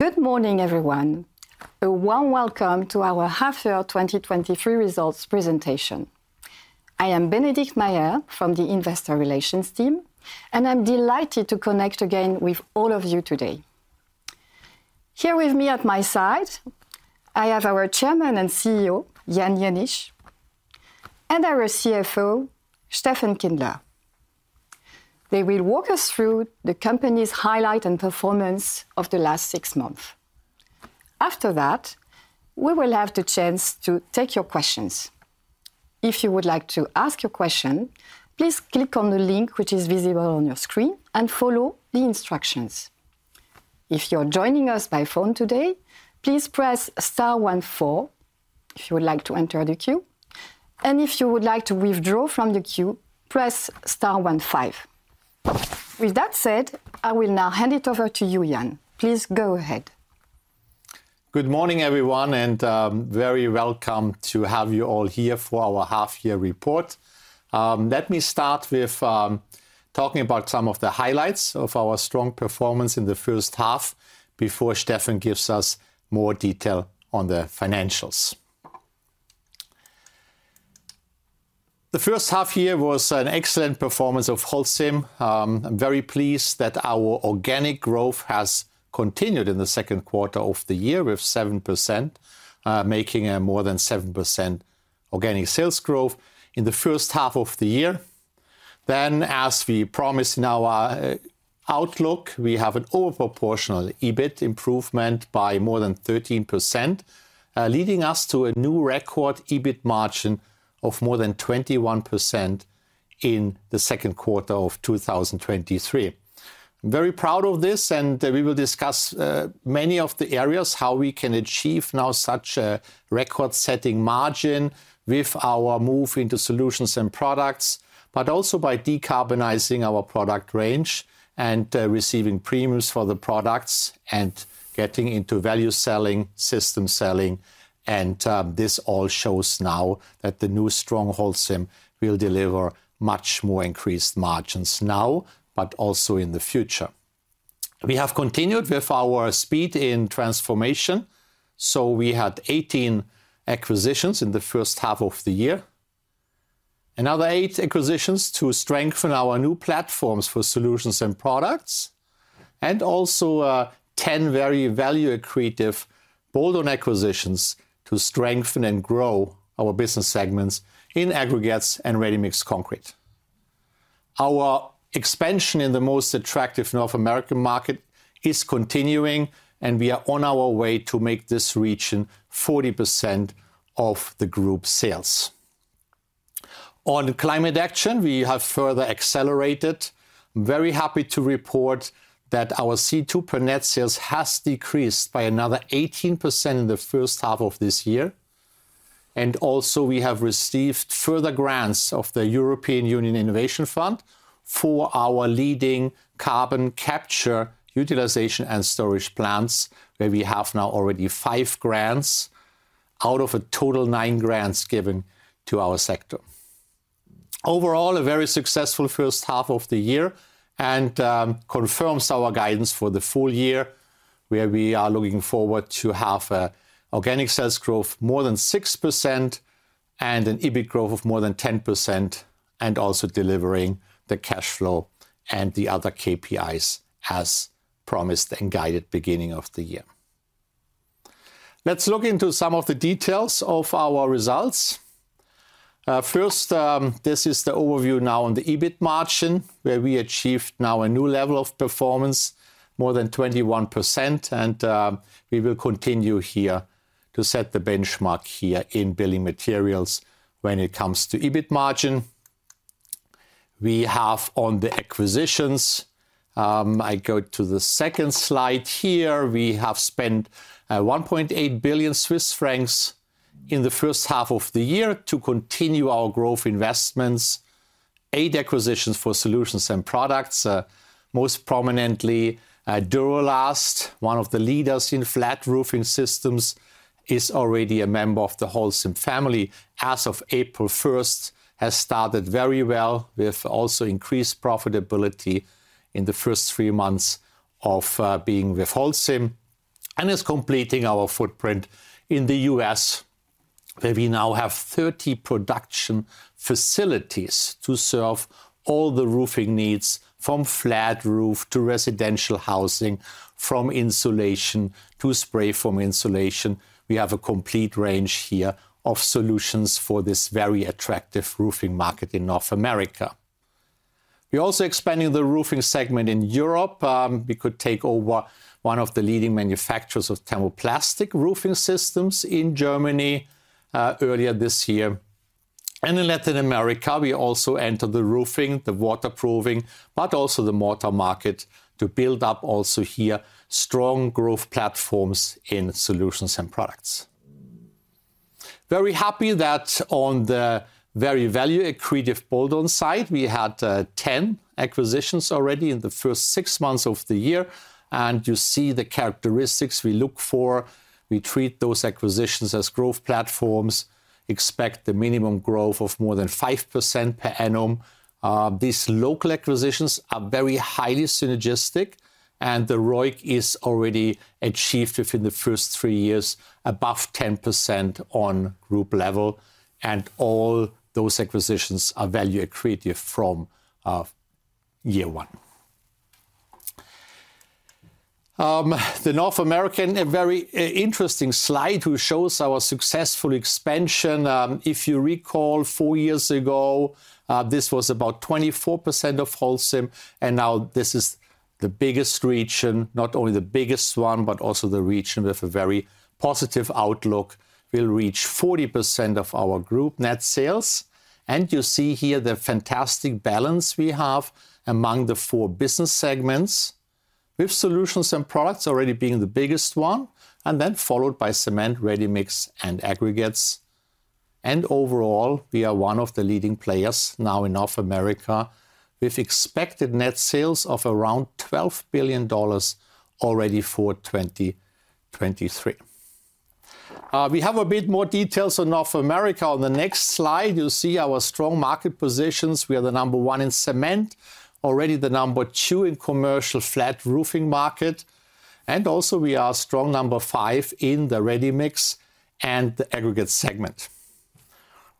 Good morning, everyone. A warm Welcome to Our Half Year 2023 Results Presentation. I am Bénédicte Naudin from the investor relations team. I'm delighted to connect again with all of you today. Here with me at my side, I have our Chairman and CEO, Jan Jenisch, and our CFO, Steffen Kindler. They will walk us through the company's highlight and performance of the last six months. After that, we will have the chance to take your questions. If you would like to ask your question, please click on the link which is visible on your screen and follow the instructions. If you're joining us by phone today, please press star one four if you would like to enter the queue. If you would like to withdraw from the queue, press star one five. With that said, I will now hand it over to you, Jan. Please go ahead. Good morning, everyone, very welcome to have you all here for our half year report. Let me start with talking about some of the highlights of our strong performance in the first half before Steffen gives us more detail on the financials. The first half year was an excellent performance of Holcim. I'm very pleased that our organic growth has continued in the Q2 of the year with 7%, making a more than 7% organic sales growth in the first half of the year. As we promised in our outlook, we have an overproportional EBIT improvement by more than 13%, leading us to a new record EBIT margin of more than 21% in the Q2 of 2023. I'm very proud of this, and we will discuss many of the areas, how we can achieve now such a record-setting margin with our move into solutions and products, but also by decarbonizing our product range and receiving premiums for the products and getting into value selling, system selling. This all shows now that the new strong Holcim will deliver much more increased margins now, but also in the future. We have continued with our speed in transformation, we had 18 acquisitions in the first half of the year. Another 8 acquisitions to strengthen our new platforms for solutions and products, and also 10 very value accretive bolt-on acquisitions to strengthen and grow our business segments in aggregates and ready-mix concrete. Our expansion in the most attractive North American market is continuing, and we are on our way to make this region 40% of the Group sales. On climate action, we have further accelerated. Very happy to report that our CO2 per net sales has decreased by another 18% in the first half of this year. Also, we have received further grants of the European Union Innovation Fund for our leading Carbon Capture, Utilization, and Storage plants, where we have now already 5 grants out of a total 9 grants given to our sector. Overall, a very successful first half of the year, and confirms our guidance for the full year, where we are looking forward to have a organic sales growth more than 6% and an EBIT growth of more than 10%, and also delivering the cash flow and the other KPIs as promised and guided beginning of the year. Let's look into some of the details of our results. First, this is the overview now on the EBIT margin, where we achieved now a new level of performance, more than 21%, and we will continue here to set the benchmark here in building materials when it comes to EBIT margin. We have on the acquisitions. I go to the second slide here. We have spent 1.8 billion Swiss francs in the first half of the year to continue our growth investments, 8 acquisitions for solutions and products. Most prominently, Duro-Last, one of the leaders in flat roofing systems, is already a member of the Holcim family as of April 1st. Has started very well, with also increased profitability in the first 3 months of being with Holcim, and is completing our footprint in the U.S., where we now have 30 production facilities to serve all the roofing needs, from flat roof to residential housing, from insulation to spray foam insulation. We have a complete range here of solutions for this very attractive roofing market in North America. We're also expanding the roofing segment in Europe. We could take over one of the leading manufacturers of thermoplastic roofing systems in Germany earlier this year. In Latin America, we also entered the roofing, the waterproofing, but also the mortar market, to build up also here strong growth platforms in solutions and products. Very happy that on the very value accretive bolt-on side, we had 10 acquisitions already in the first six months of the year, and you see the characteristics we look for. We treat those acquisitions as growth platforms. expect the minimum growth of more than 5% per annum. These local acquisitions are very highly synergistic, and the ROIC is already achieved within the first three years, above 10% on group level, and all those acquisitions are value accretive from year one. The North American, a very interesting slide, who shows our successful expansion. If you recall, four years ago, this was about 24% of Holcim, and now this is the biggest region. Not only the biggest one, but also the region with a very positive outlook, will reach 40% of our group net sales. You see here the fantastic balance we have among the 4 business segments, with solutions and products already being the biggest one, and then followed by cement, ready-mix, and aggregates. Overall, we are one of the leading players now in North America, with expected net sales of around $12 billion already for 2023. We have a bit more details on North America. On the next slide, you'll see our strong market positions. We are the number 1 in cement, already the number 2 in commercial flat roofing market, and also we are strong number 5 in the ready-mix and the aggregate segment.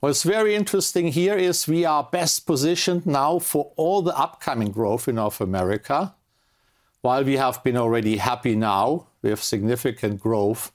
What's very interesting here is we are best positioned now for all the upcoming growth in North America. While we have been already happy now, we have significant growth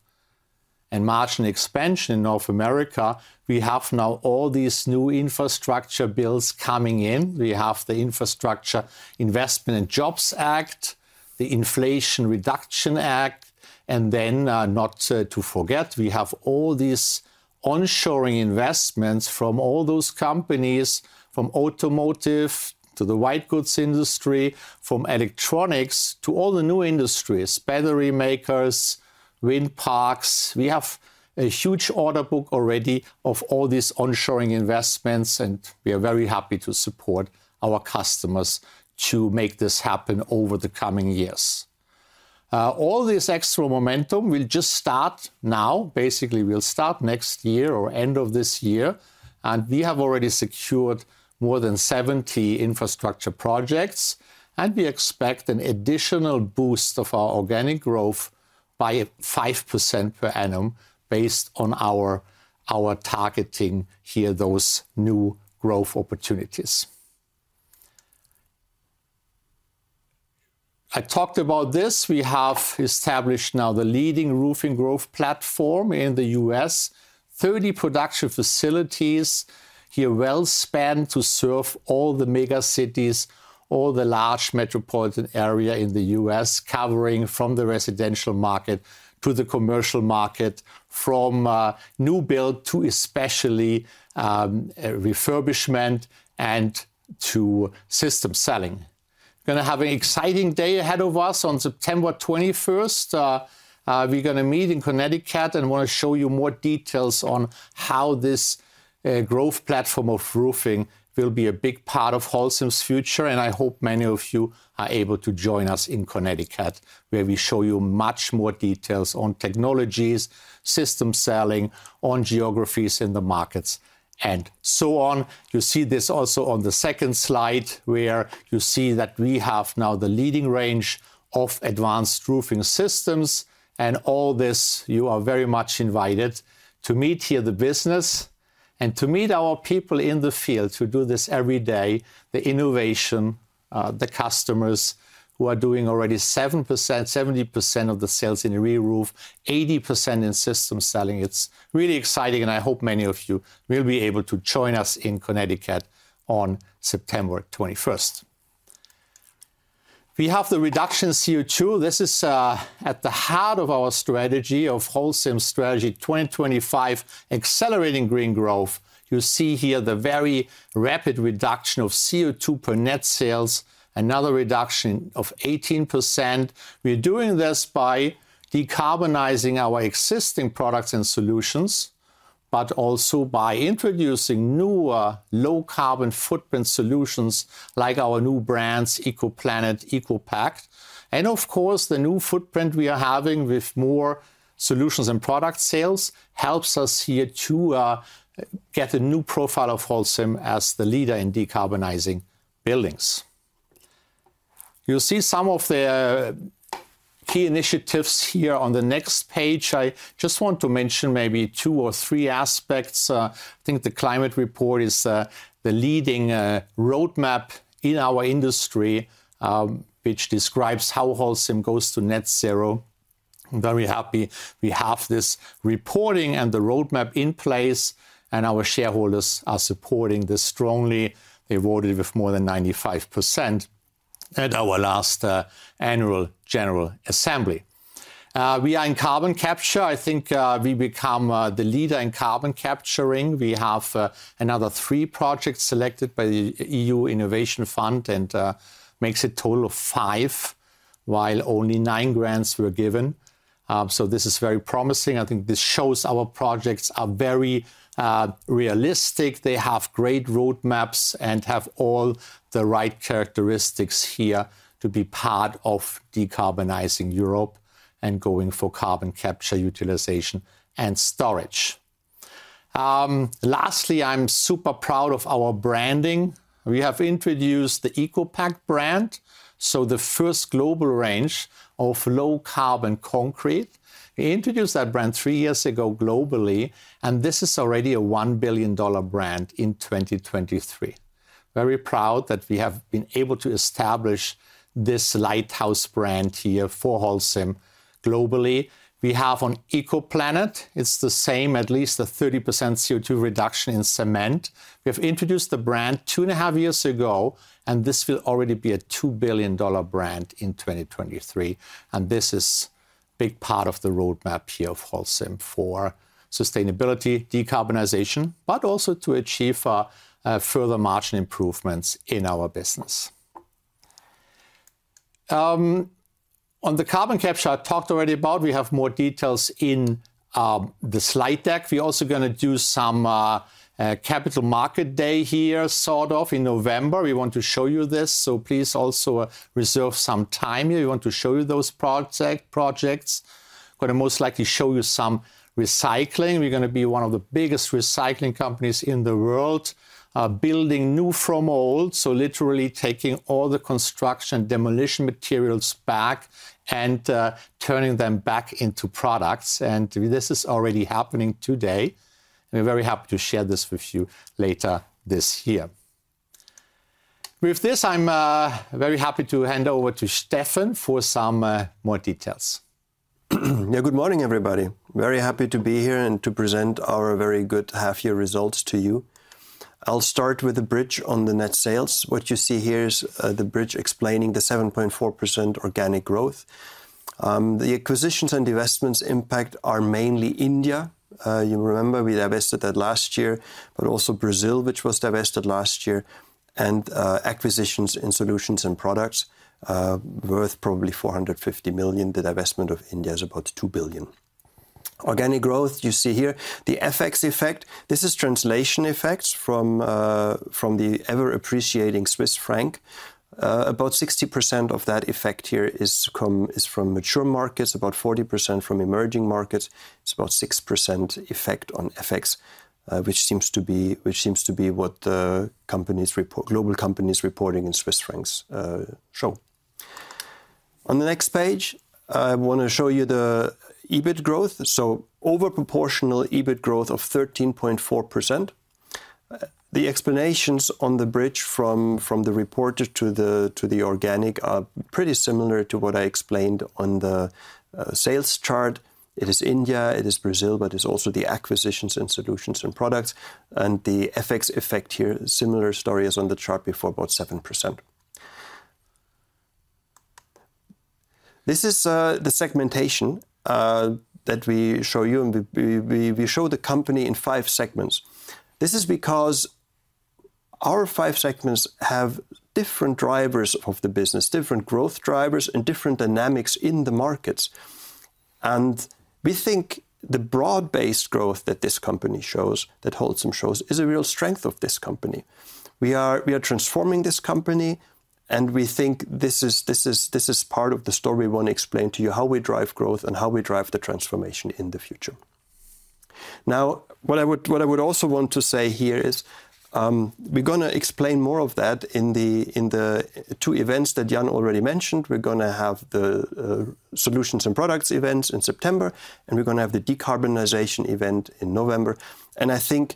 and margin expansion in North America, we have now all these new infrastructure bills coming in. We have the Infrastructure Investment and Jobs Act, the Inflation Reduction Act, not to forget, we have all these onshoring investments from all those companies, from automotive to the white goods industry, from electronics to all the new industries, battery makers, wind parks. We have a huge order book already of all these onshoring investments, and we are very happy to support our customers to make this happen over the coming years. All this extra momentum will just start now. Will start next year or end of this year, and we have already secured more than 70 infrastructure projects, and we expect an additional boost of our organic growth by 5% per annum, based on our targeting here, those new growth opportunities. I talked about this. We have established now the leading roofing growth platform in the U.S. 30 production facilities here, well-spanned to serve all the mega cities, all the large metropolitan area in the U.S., covering from the residential market to the commercial market, from new build to especially refurbishment and to system selling. Gonna have an exciting day ahead of us on September 21st. We're gonna meet in Connecticut and want to show you more details on how this growth platform of roofing will be a big part of Holcim's future, and I hope many of you are able to join us in Connecticut, where we show you much more details on technologies, system selling, on geographies in the markets, and so on. You see this also on the second slide, where you see that we have now the leading range of advanced roofing systems. All this, you are very much invited to meet here the business, and to meet our people in the field who do this every day, the innovation, the customers who are doing already 70% of the sales in re-roof, 80% in system selling. It's really exciting, and I hope many of you will be able to join us in Connecticut on September 21st. We have the reduction CO2. This is at the heart of our strategy, of Holcim's strategy 2025, accelerating green growth. You see here the very rapid reduction of CO2 per net sales, another reduction of 18%. We're doing this by decarbonizing our existing products and solutions, but also by introducing newer low carbon footprint solutions, like our new brands, ECOPlanet, ECOPact. And of course, the new footprint we are having with more solutions and product sales, helps us here to get a new profile of Holcim as the leader in decarbonizing buildings. You'll see some of the key initiatives here on the next page. I just want to mention maybe two or three aspects. I think the climate report is the leading roadmap in our industry, which describes how Holcim goes to net zero. I'm very happy we have this reporting and the roadmap in place. Our shareholders are supporting this strongly. They voted with more than 95% at our last annual general assembly. We are in carbon capture. I think we become the leader in carbon capturing. We have another 3 projects selected by the EU Innovation Fund and makes a total of 5, while only 9 grants were given. This is very promising. I think this shows our projects are very realistic. They have great roadmaps and have all the right characteristics here to be part of decarbonizing Europe and going for Carbon Capture, Utilization, and Storage. Lastly, I'm super proud of our branding. We have introduced the ECOPact brand, the first global range of low-carbon concrete. We introduced that brand three years ago globally, this is already a $1 billion brand in 2023. Very proud that we have been able to establish this lighthouse brand here for Holcim globally. We have on ECOPlanet, it's the same, at least a 30% CO2 reduction in cement. We've introduced the brand two and a half years ago, this will already be a $2 billion brand in 2023, this is a big part of the roadmap here of Holcim for sustainability, decarbonization, but also to achieve further margin improvements in our business. On the carbon capture, I talked already about, we have more details in the slide deck. We're also gonna do some capital market day here, sort of, in November. We want to show you this, please also reserve some time here. We want to show you those projects. We're gonna most likely show you some recycling. We're gonna be one of the biggest recycling companies in the world, building new from old, so literally taking all the construction, demolition materials back and turning them back into products. This is already happening today, and we're very happy to share this with you later this year. With this, I'm very happy to hand over to Steffen for some more details. Yeah, good morning, everybody. Very happy to be here and to present our very good half-year results to you. I'll start with the bridge on the net sales. What you see here is the bridge explaining the 7.4% organic growth. The acquisitions and divestments impact are mainly India. You remember we divested that last year, but also Brazil, which was divested last year, and acquisitions in solutions and products worth probably 450 million. The divestment of India is about 2 billion. Organic growth, you see here. The FX effect, this is translation effects from the ever-appreciating Swiss franc. About 60% of that effect here is from mature markets, about 40% from emerging markets. It's about 6% effect on FX, which seems to be what the global companies reporting in Swiss francs show. On the next page, I want to show you the EBIT growth, over proportional EBIT growth of 13.4%. The explanations on the bridge from the report to the organic are pretty similar to what I explained on the sales chart. It is India, it is Brazil, but it's also the acquisitions and solutions and products, and the FX effect here, similar story as on the chart before, about 7%. This is the segmentation that we show you, we show the company in five segments. This is because our five segments have different drivers of the business, different growth drivers, and different dynamics in the markets. We think the broad-based growth that this company shows, that Holcim shows, is a real strength of this company. We are transforming this company, we think this is part of the story we want to explain to you, how we drive growth and how we drive the transformation in the future. What I would also want to say here is, we're gonna explain more of that in the two events that Jan already mentioned. We're gonna have the solutions and products event in September, we're gonna have the decarbonization event in November. I think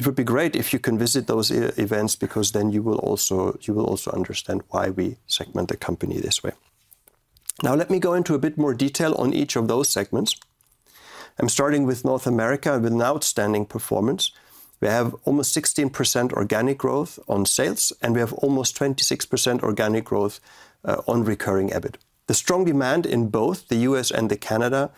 it would be great if you can visit those events, because then you will also understand why we segment the company this way. Let me go into a bit more detail on each of those segments. I'm starting with North America, with an outstanding performance. We have almost 16% organic growth on sales, and we have almost 26% organic growth on recurring EBIT. The strong demand in both the U.S. and Canada,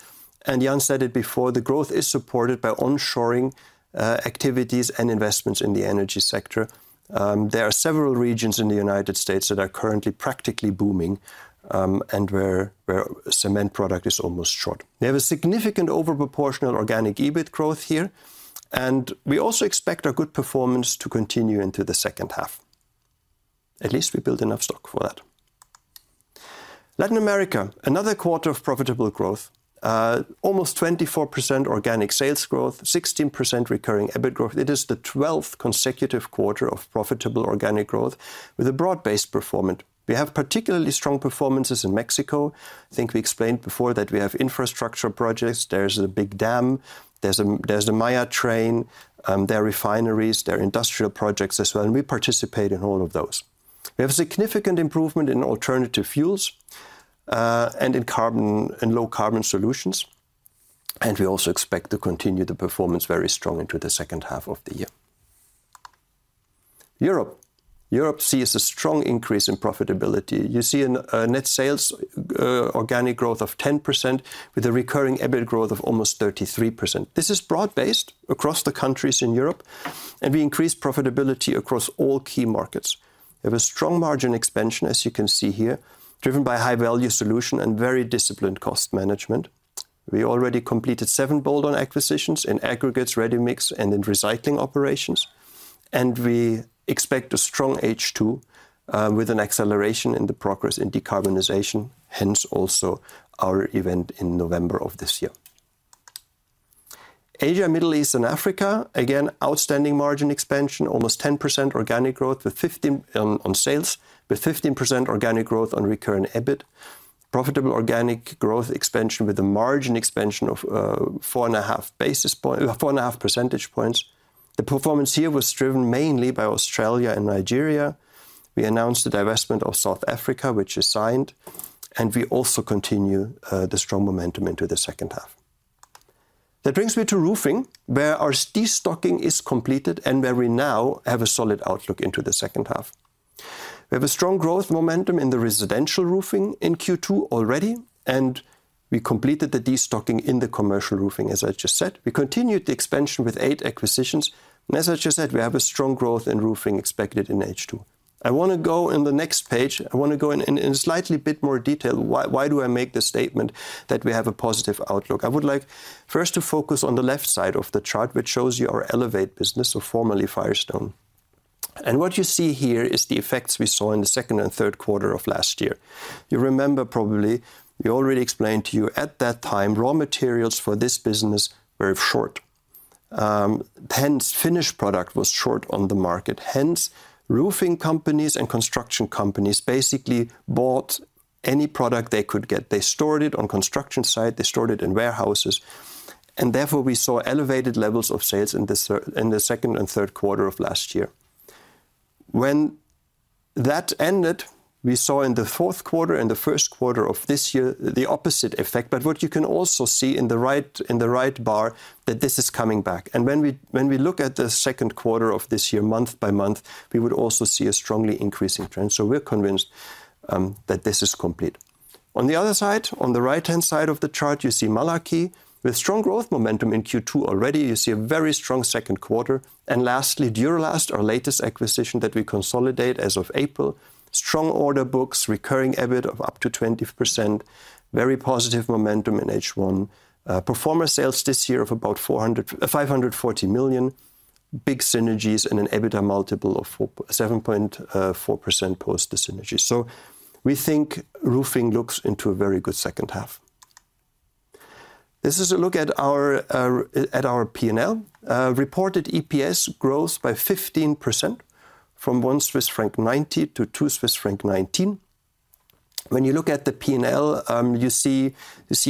and Jan said it before, the growth is supported by onshoring activities and investments in the energy sector. There are several regions in the United States that are currently practically booming, and where cement product is almost short. We have a significant overproportional organic EBIT growth here, and we also expect our good performance to continue into the second half. At least we built enough stock for that. Latin America, another quarter of profitable growth. Almost 24% organic sales growth, 16% recurring EBIT growth. It is the twelfth consecutive quarter of profitable organic growth with a broad-based performance. We have particularly strong performances in Mexico. I think we explained before that we have infrastructure projects. There's a big dam, there's the Maya train, there are refineries, there are industrial projects as well. We participate in all of those. We have a significant improvement in alternative fuels and in low-carbon solutions. We also expect to continue the performance very strong into the second half of the year. Europe. Europe sees a strong increase in profitability. You see a net sales organic growth of 10% with a recurring EBIT growth of almost 33%. This is broad-based across the countries in Europe. We increased profitability across all key markets. We have a strong margin expansion, as you can see here, driven by high-value solution and very disciplined cost management. We already completed 7 bolt-on acquisitions in aggregates, ready mix, and in recycling operations. We expect a strong H2 with an acceleration in the progress in decarbonization, hence also our event in November of this year. Asia, Middle East, and Africa, again, outstanding margin expansion, almost 10% organic growth, with 15 on sales, with 15% organic growth on recurring EBIT. Profitable organic growth expansion with a margin expansion of 4.5 percentage points. The performance here was driven mainly by Australia and Nigeria. We announced the divestment of South Africa, which is signed, and we also continue the strong momentum into the second half. That brings me to roofing, where our destocking is completed and where we now have a solid outlook into the second half. We have a strong growth momentum in the residential roofing in Q2 already, and we completed the destocking in the commercial roofing, as I just said. We continued the expansion with 8 acquisitions. As I just said, we have a strong growth in roofing expected in H2. I want to go in the next page, I want to go in slightly bit more detail. Why do I make the statement that we have a positive outlook? I would like first to focus on the left side of the chart, which shows you our Elevate business or formerly Firestone. What you see here is the effects we saw in the second and Q3 of last year. You remember probably, we already explained to you at that time, raw materials for this business, very short. Hence, finished product was short on the market, hence, roofing companies and construction companies basically bought any product they could get. They stored it on construction site, they stored it in warehouses, and therefore, we saw elevated levels of sales in the second and Q3 of last year. When that ended, we saw in the Q4 and the Q1 of this year, the opposite effect. What you can also see in the right, in the right bar, that this is coming back. When we, when we look at the Q2 of this year, month by month, we would also see a strongly increasing trend. We're convinced that this is complete. On the other side, on the right-hand side of the chart, you see Malarkey. With strong growth momentum in Q2 already, you see a very strong Q2. Duro-Last, our latest acquisition that we consolidate as of April, strong order books, recurring EBIT of up to 20%, very positive momentum in H1. Performer sales this year of about $540 million, big synergies and an EBITDA multiple of 7.4% post the synergies. Roofing looks into a very good second half. This is a look at our P&L. Reported EPS grows by 15% from 1.90 Swiss franc to 2.19 Swiss franc. When you look at the P&L, you see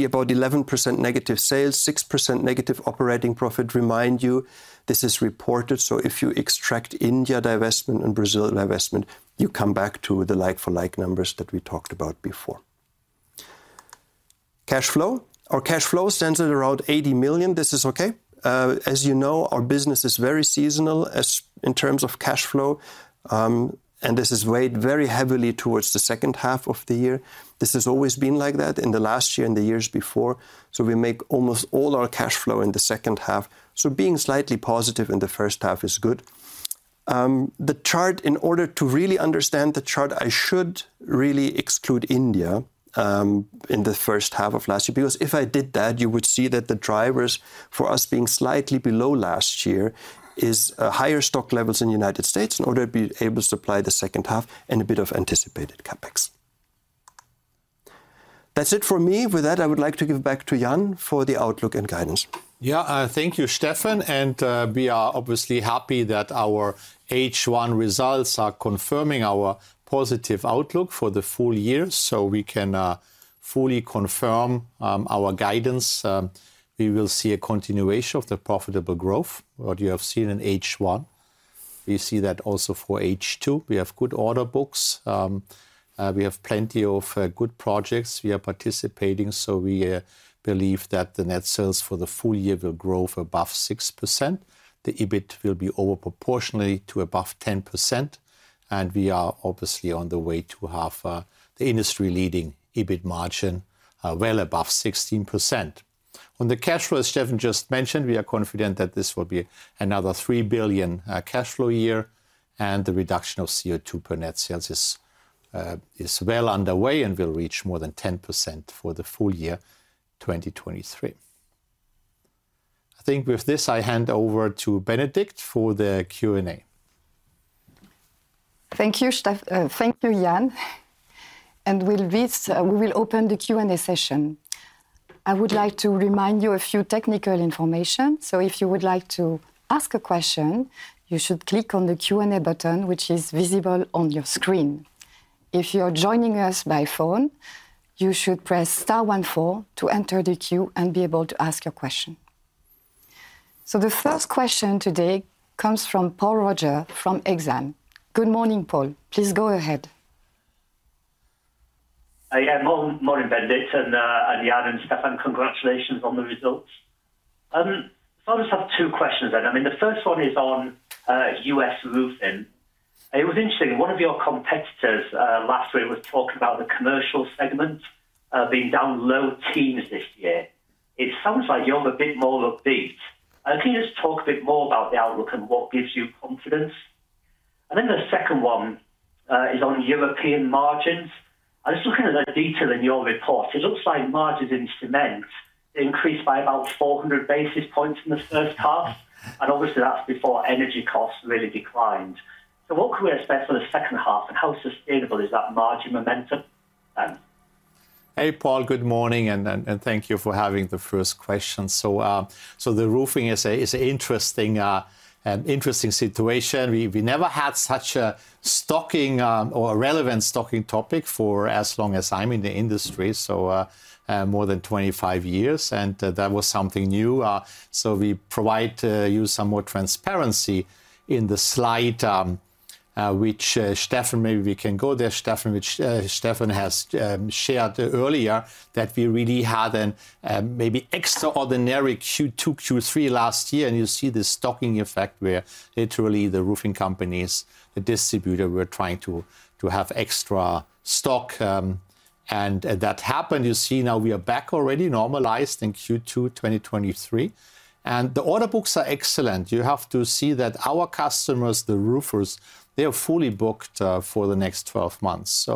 about 11% negative sales, 6% negative operating profit. Remind you, this is reported, so if you extract India divestment and Brazil divestment, you come back to the like-for-like numbers that we talked about before. Cash flow. Our cash flow stands at around 80 million. This is okay. As you know, our business is very seasonal, as in terms of cash flow, and this is weighed very heavily towards the second half of the year. This has always been like that in the last year and the years before, so we make almost all our cash flow in the second half. Being slightly positive in the first half is good. The chart, in order to really understand the chart, I should really exclude India, in the first half of last year, because if I did that, you would see that the drivers for us being slightly below last year is higher stock levels in the United States in order to be able to supply the second half and a bit of anticipated CapEx. That's it for me. With that, I would like to give back to Jan for the outlook and guidance. Yeah, thank you, Steffen, and we are obviously happy that our H1 results are confirming our positive outlook for the full year, so we can fully confirm our guidance. We will see a continuation of the profitable growth, what you have seen in H1. We see that also for H2. We have good order books. We have plenty of good projects we are participating, so we believe that the net sales for the full year will grow for above 6%. The EBIT will be over proportionally to above 10%, and we are obviously on the way to have the industry-leading EBIT margin well above 16%. On the cash flow, as Steffen just mentioned, we are confident that this will be another 3 billion cash flow year. The reduction of CO2 per net sales is well underway and will reach more than 10% for the full year 2023. I think with this, I hand over to Bénédicte for the Q&A. Thank you, Jan. With this, we will open the Q&A session. I would like to remind you a few technical information. If you would like to ask a question, you should click on the Q&A button, which is visible on your screen. If you are joining us by phone, you should press star one four to enter the queue and be able to ask your question. The first question today comes from Paul Roger, from Exane. Good morning, Paul. Please go ahead. Morning, Bénédicte, and Jan and Steffen, congratulations on the results. I just have two questions. I mean, the first one is on U.S. Roofing. It was interesting, one of your competitors last week, was talking about the commercial segment being down low teens this year. It sounds like you're a bit more upbeat. Can you just talk a bit more about the outlook and what gives you confidence? The second one is on European margins. I was looking at the detail in your report. It looks like margins in cement increased by about 400 basis points in the first half, obviously that's before energy costs really declined. What could we expect for the second half, how sustainable is that margin momentum? Hey, Paul, good morning, and thank you for having the first question. The roofing is an interesting situation. We never had such a stocking, or a relevant stocking topic for as long as I'm in the industry, so more than 25 years, and that was something new. We provide you some more transparency in the slide, which, Steffen, maybe we can go there, Steffen, which Steffen has shared earlier, that we really had an maybe extraordinary Q2, Q3 last year. You see the stocking effect, where literally the roofing companies, the distributor, were trying to have extra stock. That happened. You see now we are back already normalized in Q2, 2023, the order books are excellent. You have to see that our customers, the roofers, they are fully booked, for the next 12 months.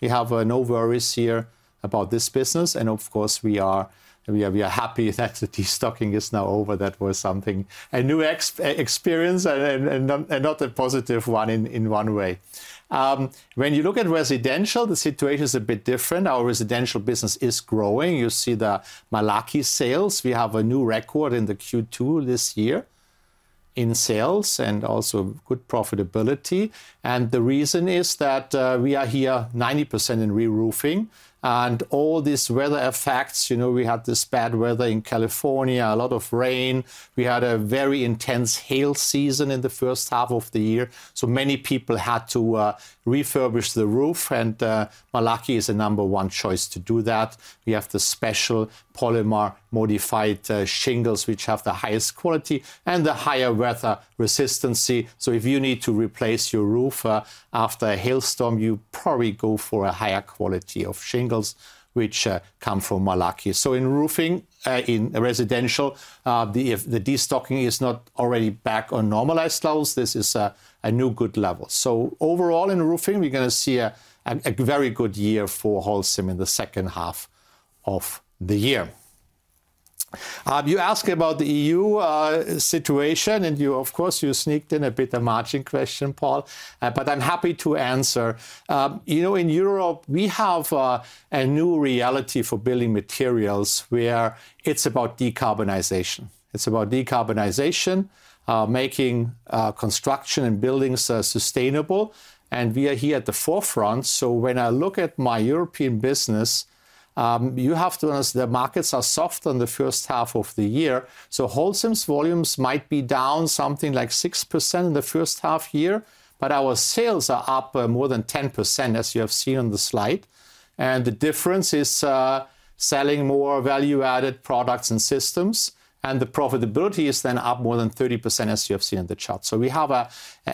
We have no worries here about this business, and of course, we are happy that the destocking is now over. That was something, a new experience, and not a positive one in one way. When you look at residential, the situation is a bit different. Our residential business is growing. You see the Malarkey sales. We have a new record in the Q2 this year in sales and also good profitability. The reason is that we are here 90% in reroofing. All these weather effects, you know, we had this bad weather in California, a lot of rain. We had a very intense hail season in the first half of the year. Many people had to refurbish the roof, and Malarkey is the number 1 choice to do that. We have the special polymer-modified shingles, which have the highest quality and the higher weather resistance. If you need to replace your roof after a hailstorm, you probably go for a higher quality of shingles, which come from Malarkey. In roofing, in residential, if the destocking is not already back on normalized levels, this is a new good level. Overall, in roofing, we're gonna see a very good year for Holcim in the second half of the year. You ask about the EU situation, and you of course, you sneaked in a bit of margin question, Paul, but I'm happy to answer. You know, in Europe, we have a new reality for building materials, where it's about decarbonization. It's about decarbonization, making construction and buildings sustainable, and we are here at the forefront. When I look at my European business, you have to understand, the markets are soft on the first half of the year, so Holcim's volumes might be down something like 6% in the first half year, but our sales are up more than 10%, as you have seen on the slide. The difference is selling more value-added products and systems, and the profitability is then up more than 30%, as you have seen in the chart.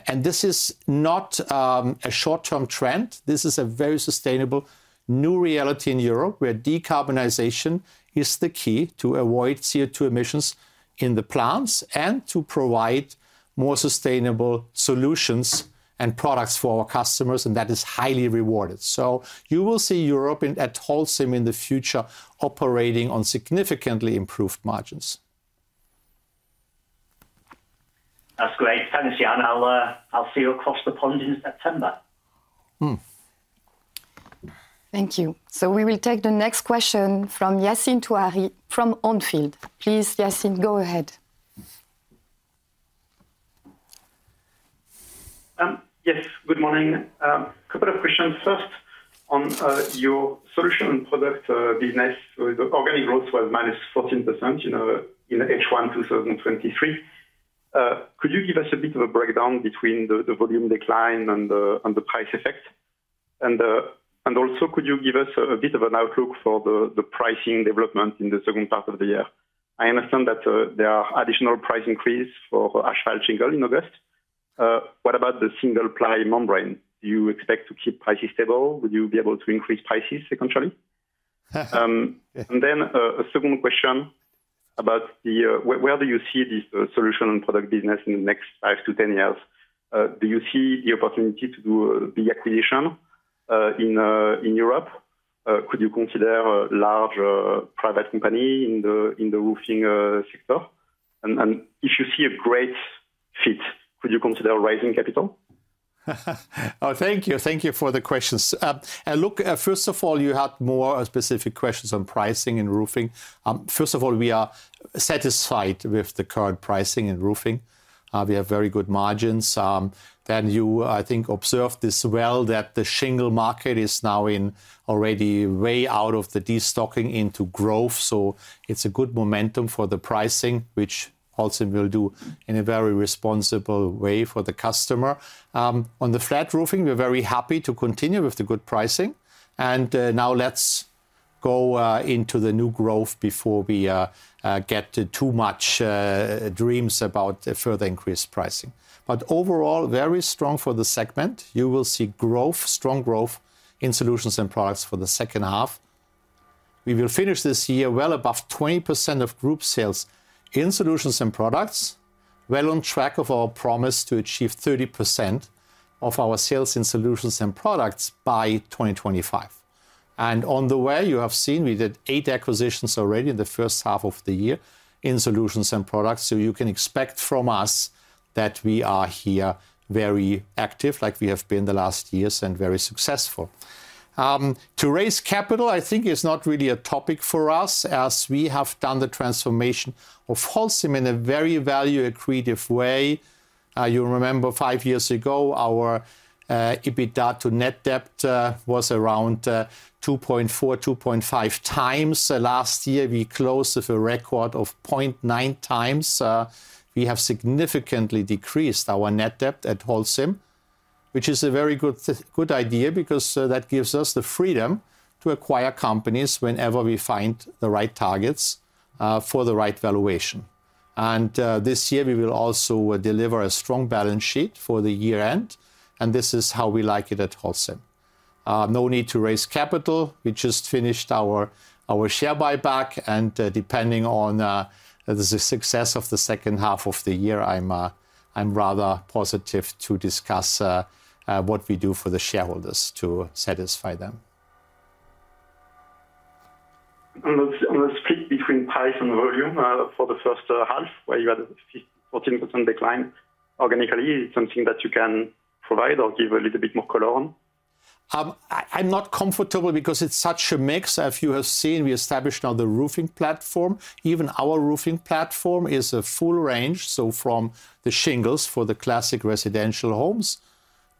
And this is not a short-term trend. This is a very sustainable new reality in Europe, where decarbonization is the key to avoid CO2 emissions in the plants and to provide more sustainable solutions and products for our customers, and that is highly rewarded. You will see Europe at Holcim in the future, operating on significantly improved margins. That's great. Thanks, Jan. I'll see you across the pond in September. Hmm. Thank you. We will take the next question from Yassine Touahri from On Field. Please, Yassine, go ahead. Yes, good morning. A couple of questions. First, on your solution product business, with organic growth was minus 14%, you know, in H1, 2023. Could you give us a bit of a breakdown between the volume decline and the price effect? Also, could you give us a bit of an outlook for the pricing development in the second half of the year? I understand that there are additional price increase for asphalt shingle in August. What about the single ply membrane? Do you expect to keep prices stable? Would you be able to increase prices secondarily? Then, a second question about the... Where do you see this solution and product business in the next 5 to 10 years? Do you see the opportunity to do big acquisition in Europe? Could you consider a large private company in the roofing sector? If you see a great fit, would you consider raising capital? Oh, thank you. Thank you for the questions. Look, first of all, you had more specific questions on pricing and roofing. First of all, we are satisfied with the current pricing in roofing. We have very good margins. You, I think, observed this well, that the shingle market is now in already way out of the destocking into growth. It's a good momentum for the pricing, which Holcim will do in a very responsible way for the customer. On the flat roofing, we're very happy to continue with the good pricing. Now let's go into the new growth before we get to too much dreams about a further increased pricing. Overall, very strong for the segment. You will see growth, strong growth, in solutions and products for the second half. We will finish this year well above 20% of group sales in solutions and products. Well on track of our promise to achieve 30% of our sales in solutions and products by 2025. On the way, you have seen we did 8 acquisitions already in the first half of the year in solutions and products. You can expect from us that we are here very active like we have been the last years, and very successful. To raise capital, I think is not really a topic for us, as we have done the transformation of Holcim in a very value-accretive way. You remember, 5 years ago, our EBITDA to Net Debt was around 2.4-2.5 times. Last year, we closed with a record of 0.9 times. We have significantly decreased our Net Debt at Holcim, which is a very good idea, because that gives us the freedom to acquire companies whenever we find the right targets for the right valuation. This year, we will also deliver a strong balance sheet for the year-end, and this is how we like it at Holcim. No need to raise capital. We just finished our share buyback, and depending on the success of the second half of the year, I'm rather positive to discuss what we do for the shareholders to satisfy them. On the split between price and volume, for the first half, where you had a 14% decline organically, is it something that you can provide or give a little bit more color on? I'm not comfortable because it's such a mix. As you have seen, we established now the roofing platform. Even our roofing platform is a full range, so from the shingles for the classic residential homes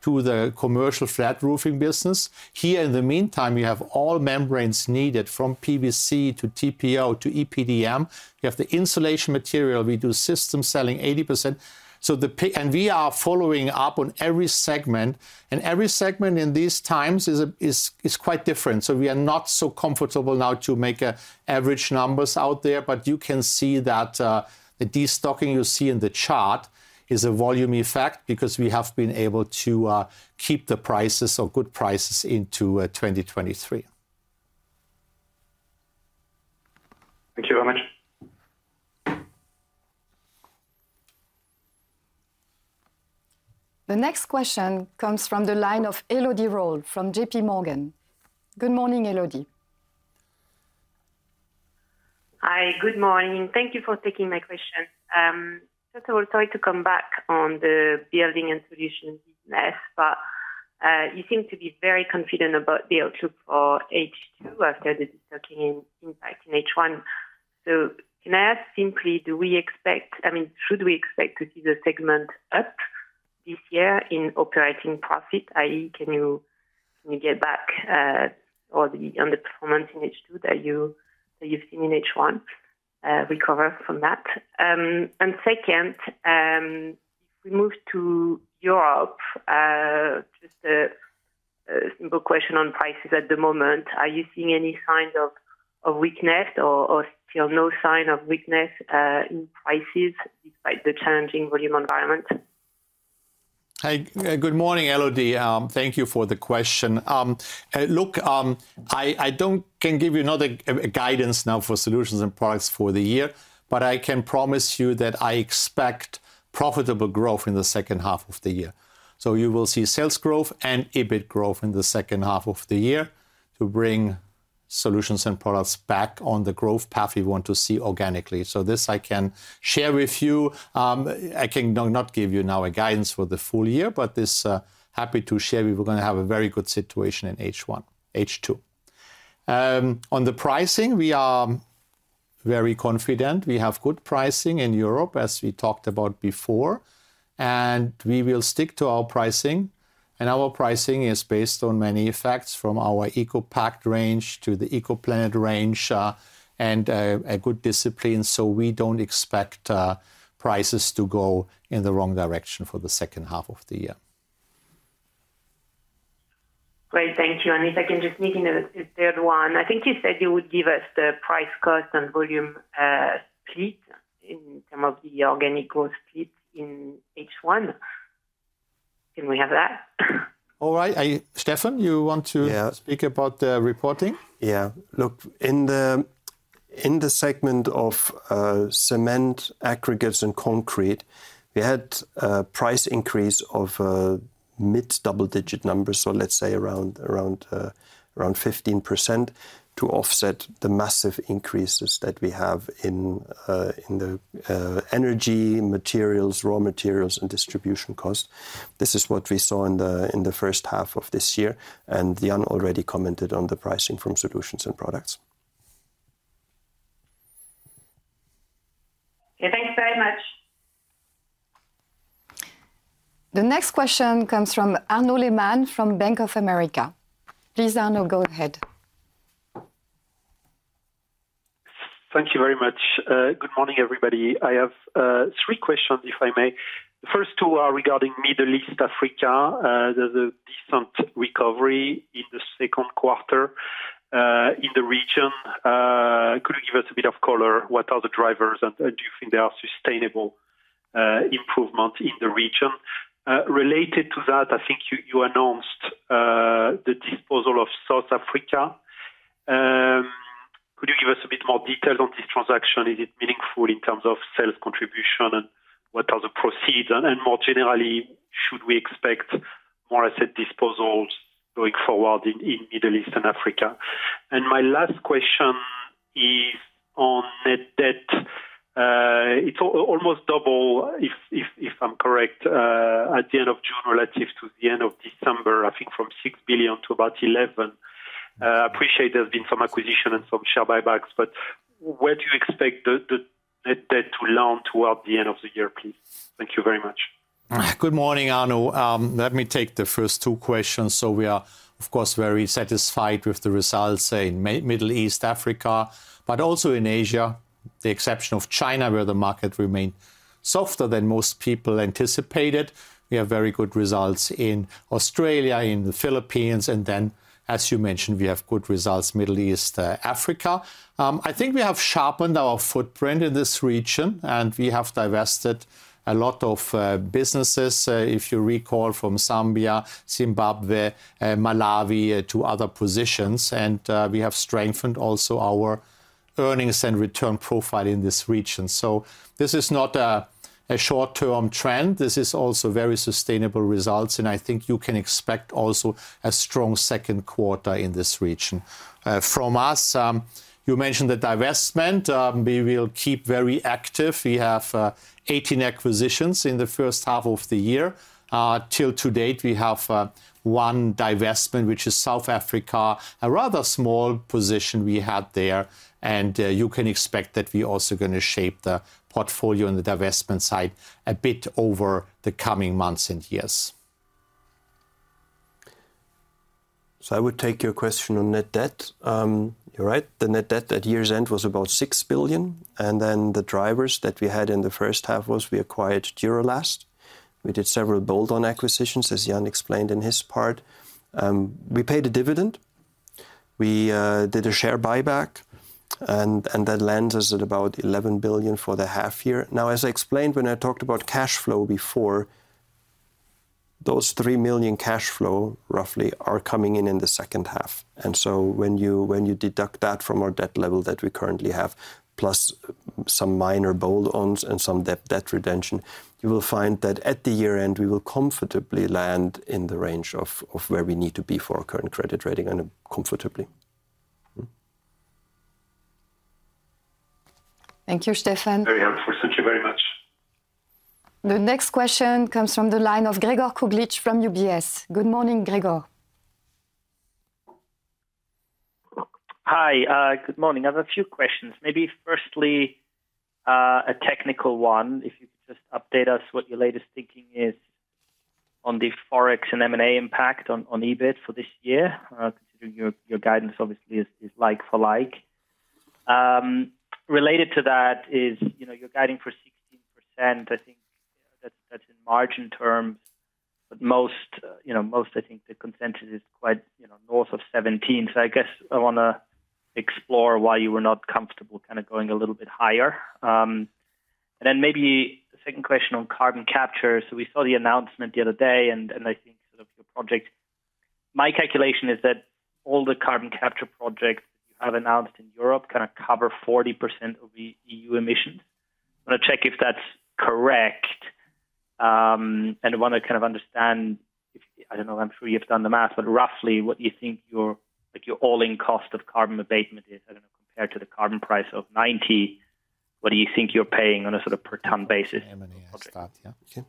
to the commercial flat roofing business. Here, in the meantime, you have all membranes needed, from PVC to TPO to EPDM. You have the insulation material. We do system selling 80%. We are following up on every segment, and every segment in these times is quite different. We are not so comfortable now to make average numbers out there, but you can see that the destocking you see in the chart is a volume effect because we have been able to keep the prices or good prices into 2023. Thank you very much. The next question comes from the line of Elodie Rall from JPMorgan. Good morning, Elodie. Hi, good morning. Thank you for taking my question. I will try to come back on the building and solutions business. You seem to be very confident about the outlook for H2 after the destocking impact in H1. Can I ask simply, I mean, should we expect to see the segment up this year in operating profit? i.e., can you get back or the, on the performance in H2 that you've seen in H1, recover from that? Second, if we move to Europe, just a simple question on prices at the moment. Are you seeing any signs of weakness or still no sign of weakness in prices despite the challenging volume environment? Hi. Good morning, Elodie. Thank you for the question. I don't can give you another guidance now for solutions and products for the year, but I can promise you that I expect profitable growth in the second half of the year. You will see sales growth and EBIT growth in the second half of the year to bring solutions and products back on the growth path we want to see organically. This I can share with you. I can not give you now a guidance for the full year, but this happy to share, we were gonna have a very good situation in H1, H2. On the pricing, we are very confident. We have good pricing in Europe, as we talked about before, we will stick to our pricing. Our pricing is based on many effects, from our ECOPact range to the ECOPlanet range, and a good discipline, so we don't expect prices to go in the wrong direction for the second half of the year. Great. Thank you. If I can just make in a third one. I think you said you would give us the price, cost, and volume split in term of the organic growth split in H1. Can we have that? All right. Steffen, you want to- Yeah speak about the reporting? Look, in the segment of cement, aggregates, and concrete, we had a price increase of mid double-digit numbers, so let's say around 15%, to offset the massive increases that we have in the energy, materials, raw materials, and distribution costs. This is what we saw in the first half of this year. Jan already commented on the pricing from solutions and products. Okay, thanks very much. The next question comes from Arnaud Lehmann from Bank of America. Please, Arnaud, go ahead. Thank you very much. Good morning, everybody. I have 3 questions, if I may. The first 2 are regarding Middle East, Africa. There's a decent recovery in the Q2 in the region. Give us a bit of color, what are the drivers, and do you think they are sustainable improvement in the region? Related to that, I think you announced the disposal of South Africa. Could you give us a bit more detail on this transaction? Is it meaningful in terms of sales contribution, and what are the proceeds? More generally, should we expect more asset disposals going forward in Middle East and Africa? My last question is on Net Debt. It's almost double, if I'm correct, at the end of June, relative to the end of December, I think from 6 billion to about 11 billion. Appreciate there's been some acquisition and some share buybacks, where do you expect the Net Debt to land toward the end of the year, please? Thank you very much. Good morning, Arnaud. Let me take the first two questions. We are, of course, very satisfied with the results in Middle East, Africa, but also in Asia, the exception of China, where the market remained softer than most people anticipated. We have very good results in Australia, in the Philippines, and then, as you mentioned, we have good results, Middle East, Africa. I think we have sharpened our footprint in this region, and we have divested a lot of businesses, if you recall, from Zambia, Zimbabwe, Malawi, to other positions. We have strengthened also our earnings and return profile in this region. This is not a short-term trend. This is also very sustainable results, and I think you can expect also a strong Q2 in this region. From us, you mentioned the divestment. We will keep very active. We have 18 acquisitions in the first half of the year. Till to date, we have 1 divestment, which is South Africa, a rather small position we had there. You can expect that we're also gonna shape the portfolio on the divestment side a bit over the coming months and years. I would take your question on Net Debt. You're right, the Net Debt at year's end was about 6 billion, the drivers that we had in the first half was we acquired Duro-Last. We did several bolt-on acquisitions, as Jan explained in his part. We paid a dividend. We did a share buyback, that lands us at about 11 billion for the half year. As I explained when I talked about cash flow before, those 3 million cash flow, roughly, are coming in in the second half. When you deduct that from our debt level that we currently have, plus some minor bolt-ons and some debt redemption, you will find that at the year-end, we will comfortably land in the range of where we need to be for our current credit rating, and comfortably. Thank you, Steffen. Very helpful. Thank you very much. The next question comes from the line of Gregor Kuglitsch from UBS. Good morning, Gregor. Hi. Good morning. I have a few questions. Maybe firstly, a technical one. If you could just update us what your latest thinking is on the Forex and M&A impact on EBIT for this year. Considering your guidance obviously is like for like. Related to that is, you know, you're guiding for 16%. I think that's in margin terms, most, you know, I think the consensus is quite, you know, north of 17. I guess I wanna explore why you were not comfortable kinda going a little bit higher. Maybe the second question on carbon capture. We saw the announcement the other day, and I think of your project. My calculation is that all the carbon capture projects you have announced in Europe, kinda cover 40% of the EU emissions. I want to check if that's correct. I want to kind of understand if, I don't know, I'm sure you've done the math, but roughly, what do you think your, like, your all-in cost of carbon abatement is, I don't know, compared to the carbon price of 90? What do you think you're paying on a sort of per ton basis? I'll start. Okay.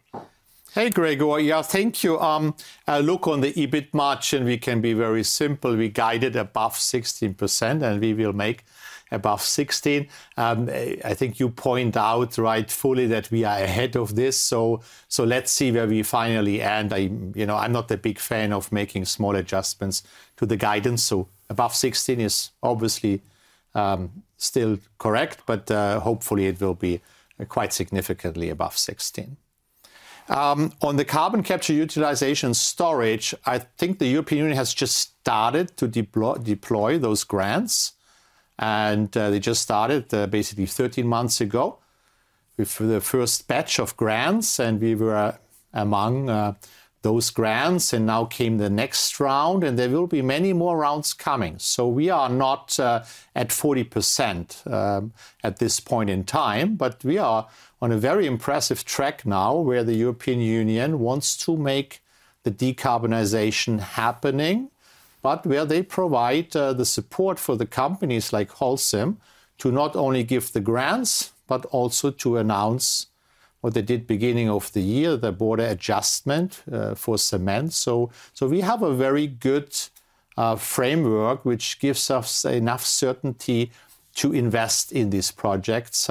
Hey, Gregor. Thank you. Look, on the EBIT margin, we can be very simple. We guided above 16%, and we will make above 16. I think you point out rightfully, that we are ahead of this, so let's see where we finally end. I'm, you know, I'm not a big fan of making small adjustments to the guidance, so above 16 is obviously still correct, but hopefully it will be quite significantly above 16. On the Carbon Capture, Utilization, and Storage, I think the European Union has just started to deploy those grants. They just started basically 13 months ago with the first batch of grants. We were among those grants. Now came the next round. There will be many more rounds coming. We are not at 40% at this point in time, but we are on a very impressive track now, where the European Union wants to make the decarbonization happening, but where they provide the support for the companies like Holcim, to not only give the grants, but also to announce what they did beginning of the year, the border adjustment for cement. We have a very good framework, which gives us enough certainty to invest in these projects.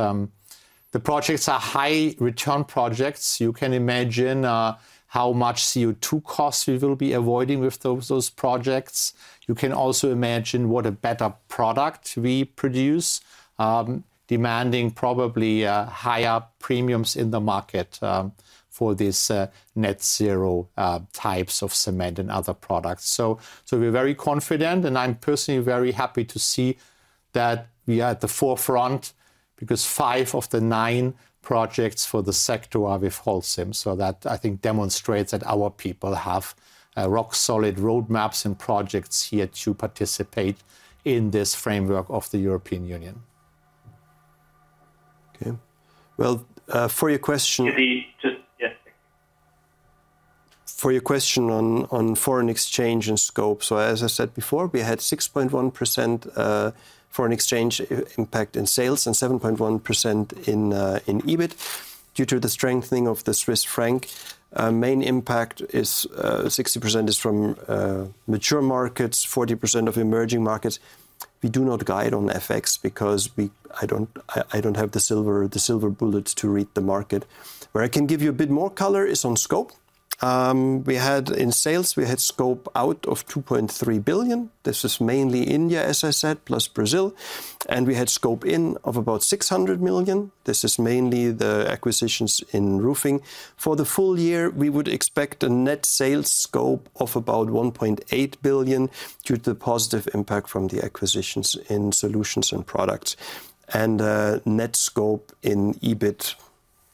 The projects are high-return projects. You can imagine how much CO2 costs we will be avoiding with those projects. You can also imagine what a better product we produce, demanding probably higher premiums in the market for this net zero types of cement and other products. We're very confident, and I'm personally very happy that we are at the forefront, because five of the nine projects for the sector are with Holcim. That, I think, demonstrates that our people have rock-solid roadmaps and projects here to participate in this framework of the European Union. Okay, well, for your question. Excuse me, just, yes. For your question on foreign exchange and scope. As I said before, we had 6.1% foreign exchange impact in sales, and 7.1% in EBIT, due to the strengthening of the Swiss franc. Our main impact is 60% is from mature markets, 40% of emerging markets. We do not guide on FX because I don't have the silver bullet to read the market. Where I can give you a bit more color is on scope. In sales, we had scope out of 2.3 billion. This is mainly India, as I said, plus Brazil, and we had scope in of about 600 million. This is mainly the acquisitions in roofing. For the full year, we would expect a net sales scope of about 1.8 billion, due to the positive impact from the acquisitions in solutions and products. Net scope in EBIT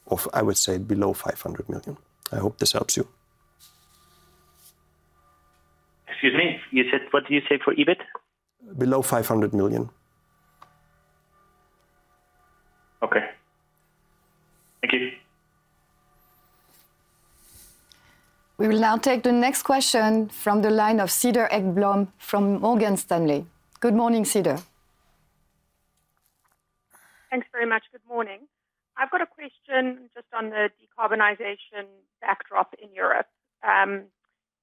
of, I would say, below 500 million. I hope this helps you. Excuse me, what did you say for EBIT? Below 500 million. Okay. Thank you. We will now take the next question from the line of Cedar Ekblom from Morgan Stanley. Good morning, Cedar. Thanks very much. Good morning. I've got a question just on the decarbonization backdrop in Europe.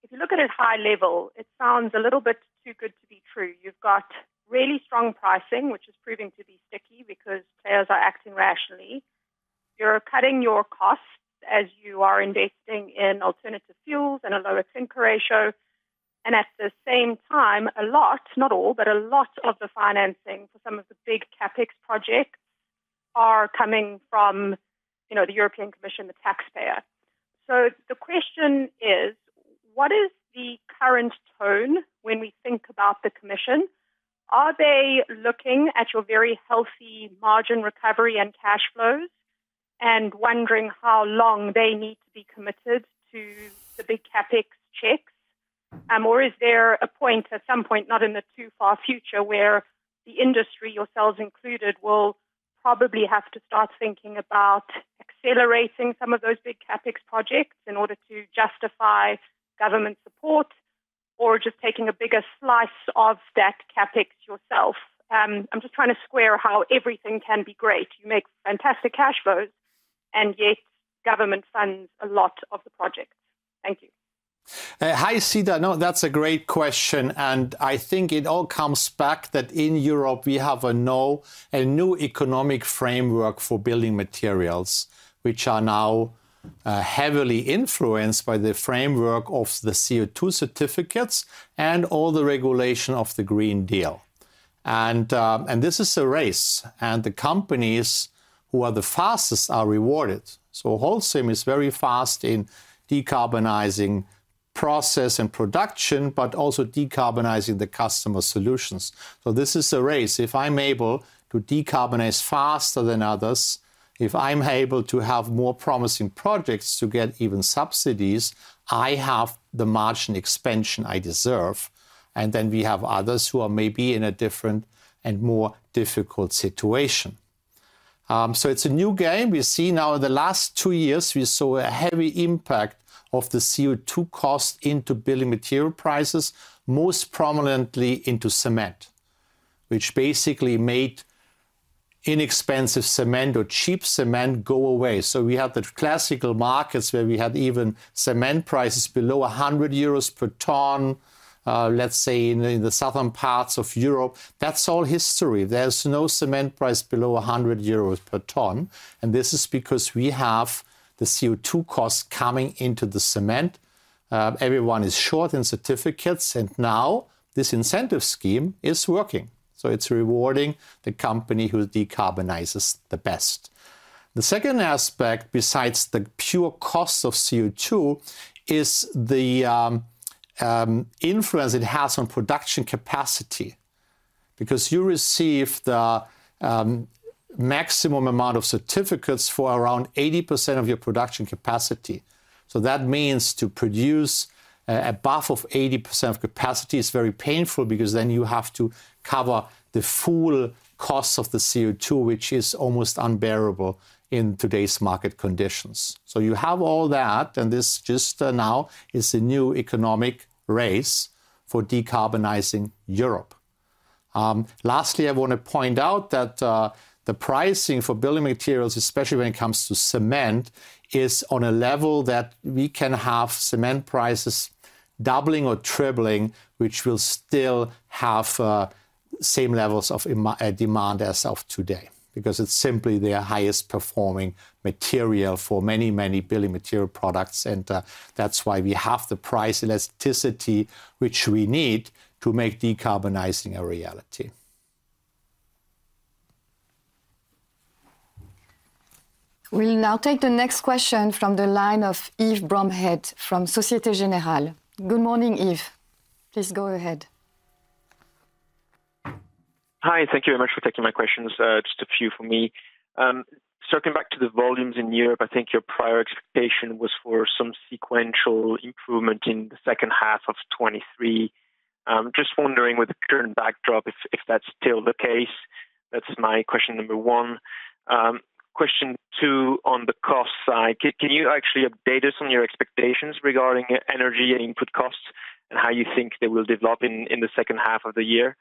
If you look at it high level, it sounds a little bit too good to be true. You've got really strong pricing, which is proving to be sticky because players are acting rationally. You're cutting your costs as you are investing in alternative fuels and a lower clinker ratio. At the same time, a lot, not all, but a lot of the financing for some of the big CapEx projects are coming from, you know, the European Commission, the taxpayer. The question is: What is the current tone when we think about the Commission? Are they looking at your very healthy margin recovery and cash flows, and wondering how long they need to be committed to the big CapEx checks? Is there a point, at some point, not in the too far future, where the industry, yourselves included, will probably have to start thinking about accelerating some of those big CapEx projects in order to justify government support, or just taking a bigger slice of that CapEx yourself? I'm just trying to square how everything can be great. You make fantastic cash flows. Yet government funds a lot of the projects. Thank you. Hi, Cedar. No, that's a great question. I think it all comes back that in Europe, we have a new economic framework for building materials, which are now heavily influenced by the framework of the CO2 certificates and all the regulation of the Green Deal. This is a race, and the companies who are the fastest are rewarded. Holcim is very fast in decarbonizing process and production, but also decarbonizing the customer solutions. This is a race. If I'm able to decarbonize faster than others, if I'm able to have more promising projects to get even subsidies, I have the margin expansion I deserve. Then we have others who are maybe in a different and more difficult situation. It's a new game. We see now, in the last two years, we saw a heavy impact of the CO2 cost into building material prices, most prominently into cement, which basically made inexpensive cement or cheap cement go away. We have the classical markets where we had even cement prices below 100 euros per ton, let's say in the southern parts of Europe. That's all history. There's no cement price below 100 euros per ton, and this is because we have the CO2 costs coming into the cement. Everyone is short in certificates, and now this incentive scheme is working, so it's rewarding the company who decarbonizes the best. The second aspect, besides the pure cost of CO2, is the influence it has on production capacity. You receive the maximum amount of certificates for around 80% of your production capacity. That means to produce above of 80% of capacity is very painful because then you have to cover the full cost of the CO2, which is almost unbearable in today's market conditions. You have all that, and this just now is the new economic race for decarbonizing Europe. Lastly, I want to point out that the pricing for building materials, especially when it comes to cement, is on a level that we can have cement prices doubling or tripling, which will still have same levels of demand as of today, because it's simply the highest performing material for many, many building material products. That's why we have the price elasticity which we need to make decarbonizing a reality. ... We'll now take the next question from the line of Yves Bromehead from Société Générale. Good morning, Yves. Please go ahead. Hi, thank you very much for taking my questions. Just a few for me. Circling back to the volumes in Europe, I think your prior expectation was for some sequential improvement in the second half of 2023. Just wondering with the current backdrop, if that's still the case? That's my question number 1. Question 2, on the cost side, can you actually update us on your expectations regarding energy and input costs, and how you think they will develop in the second half of the year?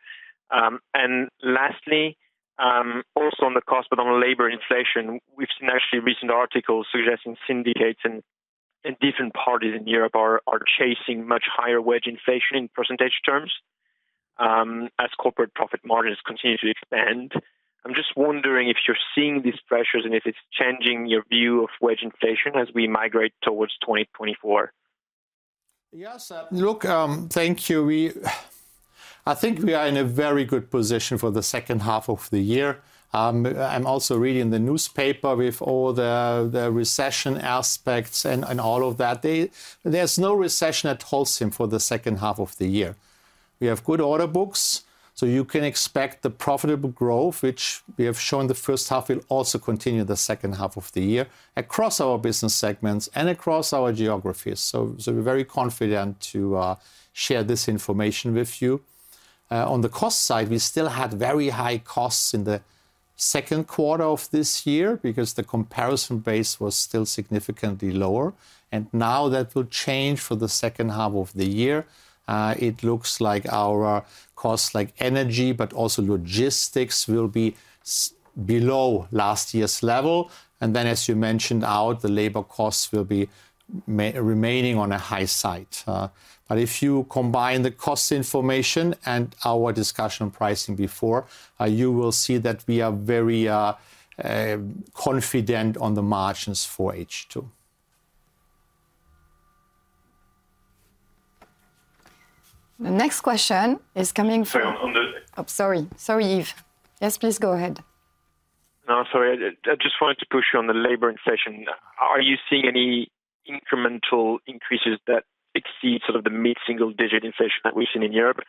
Lastly, also on the cost, but on labor inflation, we've seen actually recent articles suggesting syndicates and different parties in Europe are chasing much higher wage inflation in percentage terms, as corporate profit margins continue to expand. I'm just wondering if you're seeing these pressures, and if it's changing your view of wage inflation as we migrate towards 2024. Yes. Look, thank you. I think we are in a very good position for the 2nd half of the year. I'm also reading the newspaper with all the recession aspects and all of that. There's no recession at Holcim for the 2nd half of the year. We have good order books, you can expect the profitable growth, which we have shown the 1st half will also continue the 2nd half of the year, across our business segments and across our geographies. We're very confident to share this information with you. On the cost side, we still had very high costs in the 2nd quarter of this year because the comparison base was still significantly lower, now that will change for the 2nd half of the year. It looks like our costs, like energy, but also logistics, will be below last year's level. As you mentioned, the labor costs will be remaining on a high side. If you combine the cost information and our discussion on pricing before, you will see that we are very confident on the margins for H2. The next question is coming from. Sorry. Oh, sorry. Sorry, Yves. Yes, please go ahead. No, sorry. I just wanted to push you on the labor inflation. Are you seeing any incremental increases that exceed sort of the mid-single-digit inflation that we've seen in Europe,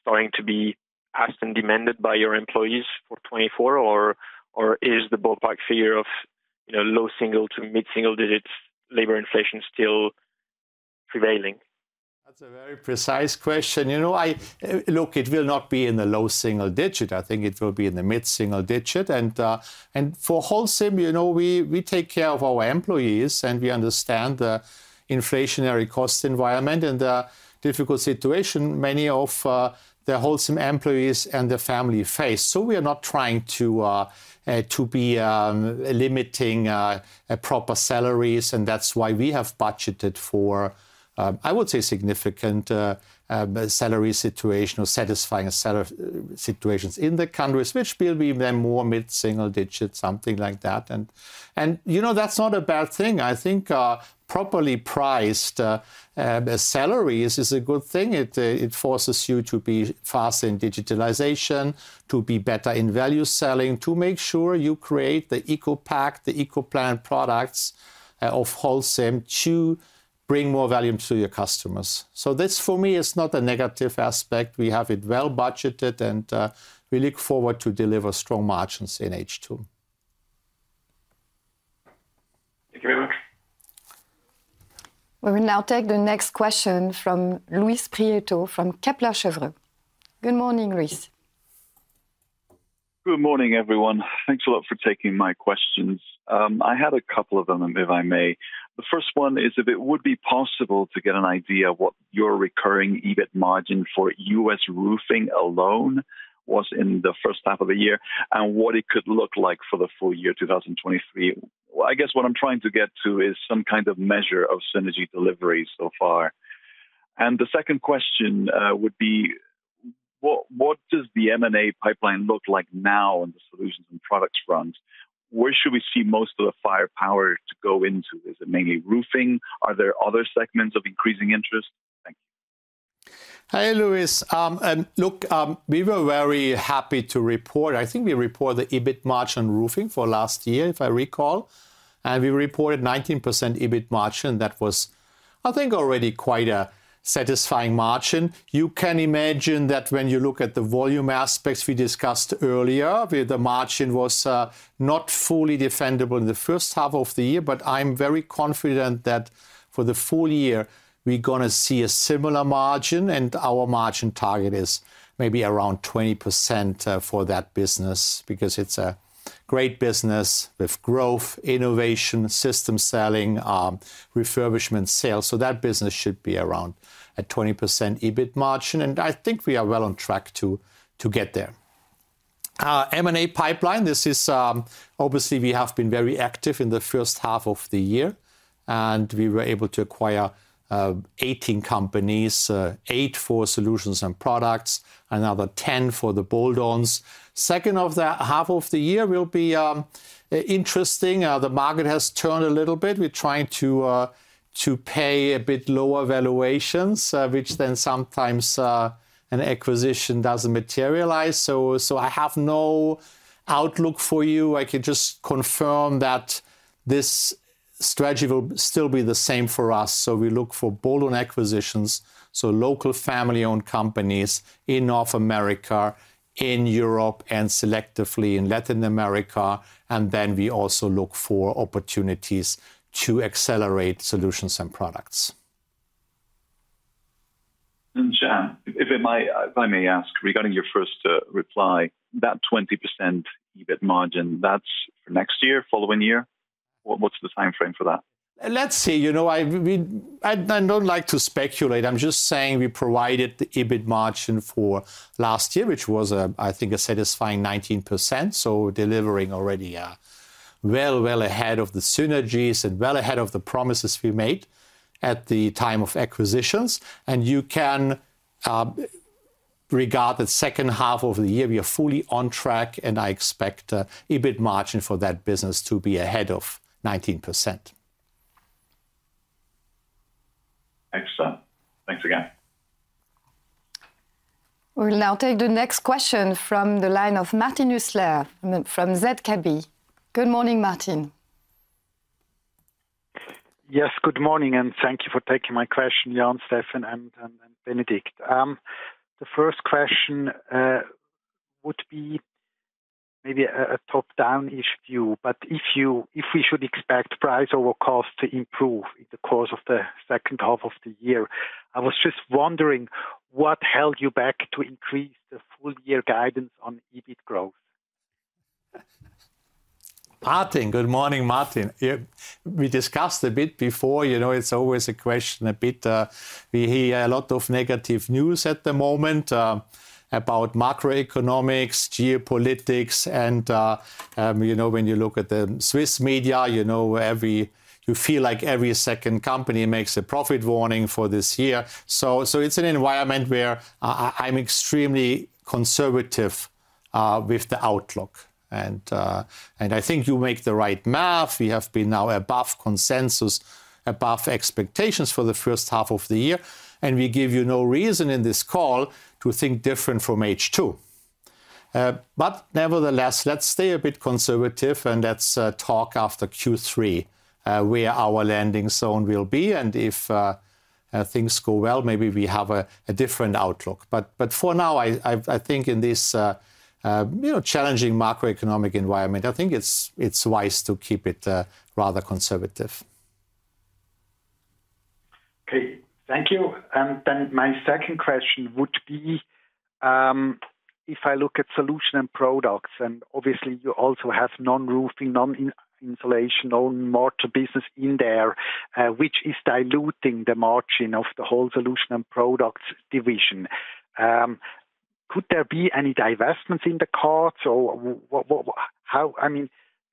starting to be asked and demanded by your employees for 2024, or is the ballpark figure of, you know, low-single-digit to mid-single-digit labor inflation still prevailing? That's a very precise question. You know, look, it will not be in the low single digit. I think it will be in the mid-single digit. For Holcim, you know, we take care of our employees, and we understand the inflationary cost environment and the difficult situation many of the Holcim employees and their family face. We are not trying to be limiting proper salaries, and that's why we have budgeted for, I would say, significant salary situation or satisfying salary situations in the countries, which will be then more mid-single digit, something like that. You know, that's not a bad thing. I think properly priced salaries is a good thing. It forces you to be fast in digitalization, to be better in value selling, to make sure you create the ECOPact, the ECOPlanet products of Holcim to bring more value to your customers. This, for me, is not a negative aspect. We have it well budgeted, and we look forward to deliver strong margins in H2. Thank you very much. We will now take the next question from Luis Prieto, from Kepler Cheuvreux. Good morning, Luis. Good morning, everyone. Thanks a lot for taking my questions. I had a couple of them, if I may. The first one is if it would be possible to get an idea of what your recurring EBIT margin for U.S. Roofing alone was in the first half of the year, and what it could look like for the full year 2023. Well, I guess what I'm trying to get to is some kind of measure of synergy delivery so far. The second question would be: What does the M&A pipeline look like now in the solutions and products front? Where should we see most of the firepower to go into? Is it mainly roofing? Are there other segments of increasing interest? Thank you. Hi, Luis. Look, we were very happy to report. I think we reported the EBIT margin Roofing for last year, if I recall, we reported 19% EBIT margin. That was, I think, already quite a satisfying margin. You can imagine that when you look at the volume aspects we discussed earlier, where the margin was not fully defendable in the first half of the year. I'm very confident that for the full year, we're going to see a similar margin, and our margin target is maybe around 20% for that business, because it's a great business with growth, innovation, system selling, refurbishment sales. That business should be around a 20% EBIT margin, and I think we are well on track to get there. Our M&A pipeline, this is, obviously we have been very active in the first half of the year, and we were able to acquire 18 companies. 8 for solutions and products, another 10 for the bolt-ons. Second half of the year will be interesting. The market has turned a little bit. We're trying to pay a bit lower valuations, which then sometimes an acquisition doesn't materialize. I have no outlook for you. I can just confirm that this strategy will still be the same for us. We look for bolt-on acquisitions, so local family-owned companies in North America, in Europe, and selectively in Latin America, and then we also look for opportunities to accelerate solutions and products. Jan, if I may ask, regarding your first reply, that 20% EBIT margin, that's for next year, following year? What's the time frame for that? Let's see. You know, I don't like to speculate. I'm just saying we provided the EBIT margin for last year, which was, I think, a satisfying 19%, delivering already well ahead of the synergies and well ahead of the promises we made at the time of acquisitions. You can regard the second half of the year, we are fully on track, and I expect a EBIT margin for that business to be ahead of 19%. Excellent. Thanks again. We'll now take the next question from the line of Martin Hüsler from ZKB. Good morning, Martin. Good morning, thank you for taking my question, Jan, Steffen, and Bénédicte. The first question would be maybe a top-down-ish view, but if we should expect price over cost to improve in the course of the second half of the year, I was just wondering what held you back to increase the full year guidance on EBIT growth? Martin, good morning, Martin. Yeah, we discussed a bit before, you know, it's always a question a bit, we hear a lot of negative news at the moment, about macroeconomics, geopolitics, and, you know, when you look at the Swiss media, you know, you feel like every second company makes a profit warning for this year. So it's an environment where I'm extremely conservative with the outlook. And I think you make the right math. We have been now above consensus, above expectations for the first half of the year, and we give you no reason in this call to think different from H2. Nevertheless, let's stay a bit conservative and let's talk after Q3, where our landing zone will be, and if things go well, maybe we have a different outlook. For now, I think in this, you know, challenging macroeconomic environment, I think it's wise to keep it rather conservative. Okay. Thank you. My second question would be, if I look at solution and products, and obviously you also have non-roofing, non-insulation, non-mortar business in there, which is diluting the margin of the whole solution and products division. Could there be any divestments in the cards, or what, how, I mean,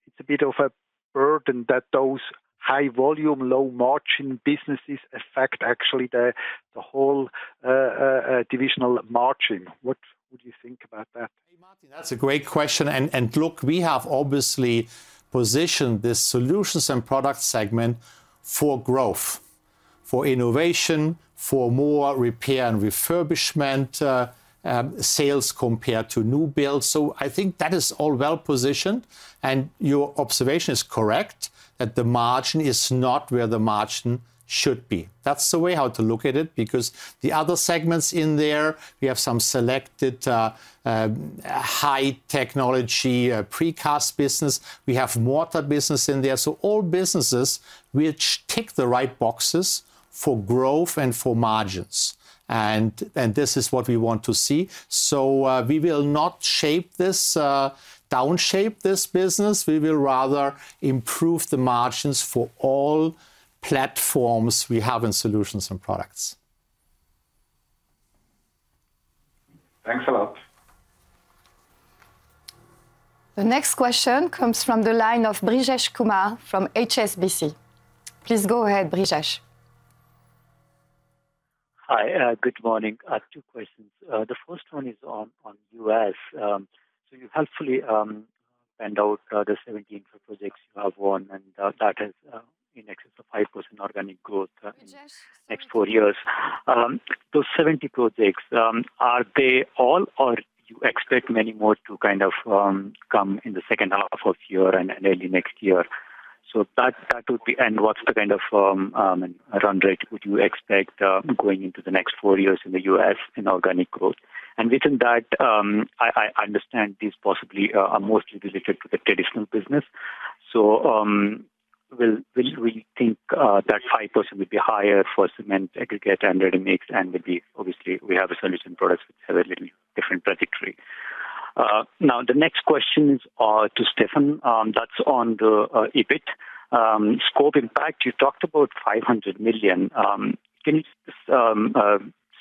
it's a bit of a burden that those high volume, low margin businesses affect actually the whole divisional margin. What would you think about that? Hey, Martin, that's a great question. Look, we have obviously positioned this solutions and product segment for growth, for innovation, for more repair and refurbishment sales compared to new builds. I think that is all well positioned, and your observation is correct, that the margin is not where the margin should be. That's the way how to look at it, because the other segments in there, we have some selected high technology precast business. We have water business in there. All businesses which tick the right boxes for growth and for margins. This is what we want to see. We will not shape this down shape this business. We will rather improve the margins for all platforms we have in solutions and products. Thanks a lot. The next question comes from the line of Brijesh Kumar from HSBC. Please go ahead, Brijesh. Hi, good morning. I have 2 questions. The first one is on U.S. You helpfully penned out the 17 projects you have won. That is in excess of 5% organic growth. Brijesh? [in] next 4 years. Those 70 projects, are they all, or you expect many more to kind of come in the second half of year and early next year? That would be, and what's the kind of run rate would you expect going into the next 4 years in the U.S. in organic growth? Within that, I understand these possibly are mostly related to the traditional business. Will we think that 5% would be higher for cement, aggregate, and ready-mix, and would be obviously, we have a solution products which have a little different trajectory. Now, the next questions are to Steffen, that's on the EBIT scope impact. You talked about $500 million. Can you just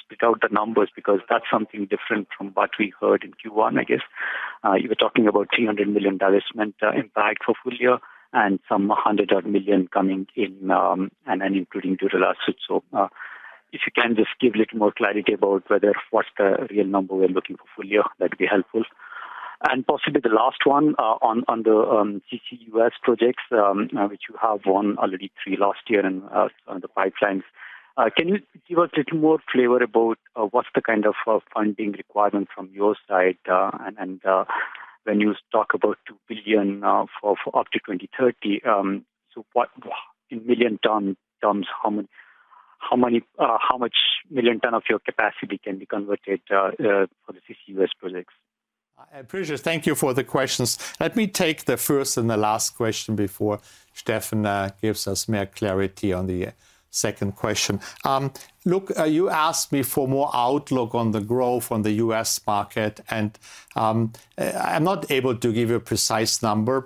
speak out the numbers? That's something different from what we heard in Q1, I guess. You were talking about 300 million divestment impact for full year and some 100 million coming in, and then including Duro-Last. I can just give a little more clarity about whether what's the real number we're looking for full year, that'd be helpful. Possibly the last one, on the CCUS projects, which you have won already 3 last year and are on the pipelines. Can you give us a little more flavor about what's the kind of funding requirement from your side? And when you talk about 2 billion for up to 2030, so what, in million ton terms, how many how much million tons of your capacity can be converted for the CCUS projects? Brijesh, thank you for the questions. Let me take the first and the last question before Steffen gives us more clarity on the second question. Look, you asked me for more outlook on the growth on the U.S. market. I'm not able to give you a precise number,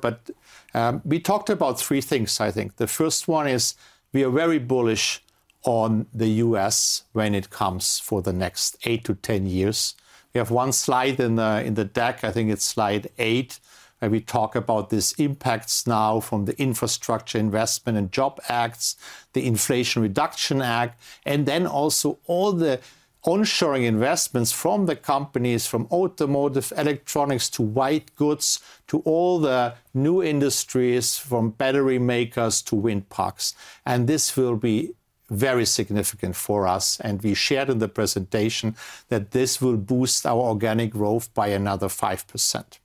we talked about three things, I think. The first one is we are very bullish on the U.S. when it comes for the next eight to 10 years. We have one slide in the deck, I think it's slide 8, where we talk about this impacts now from the Infrastructure Investment and Jobs Act, the Inflation Reduction Act, all the onshoring investments from the companies, from automotive, electronics, to white goods, to all the new industries, from battery makers to wind parks. This will be very significant for us, and we shared in the presentation that this will boost our organic growth by another 5%.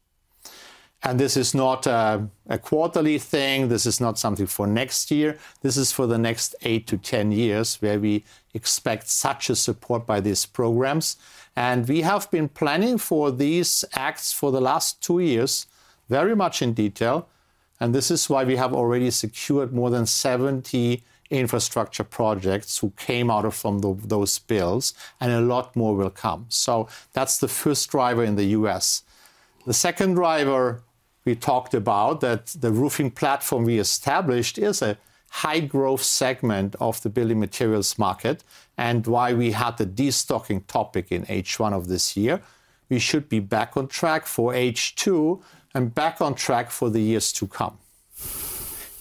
This is not a quarterly thing. This is not something for next year. This is for the next 8-10 years, where we expect such a support by these programs. We have been planning for these acts for the last 2 years, very much in detail, and this is why we have already secured more than 70 infrastructure projects who came out of those bills, and a lot more will come. That's the first driver in the U.S. The second driver, we talked about, that the roofing platform we established is a high-growth segment of the building materials market, and why we had the destocking topic in H1 of this year. We should be back on track for H2 and back on track for the years to come.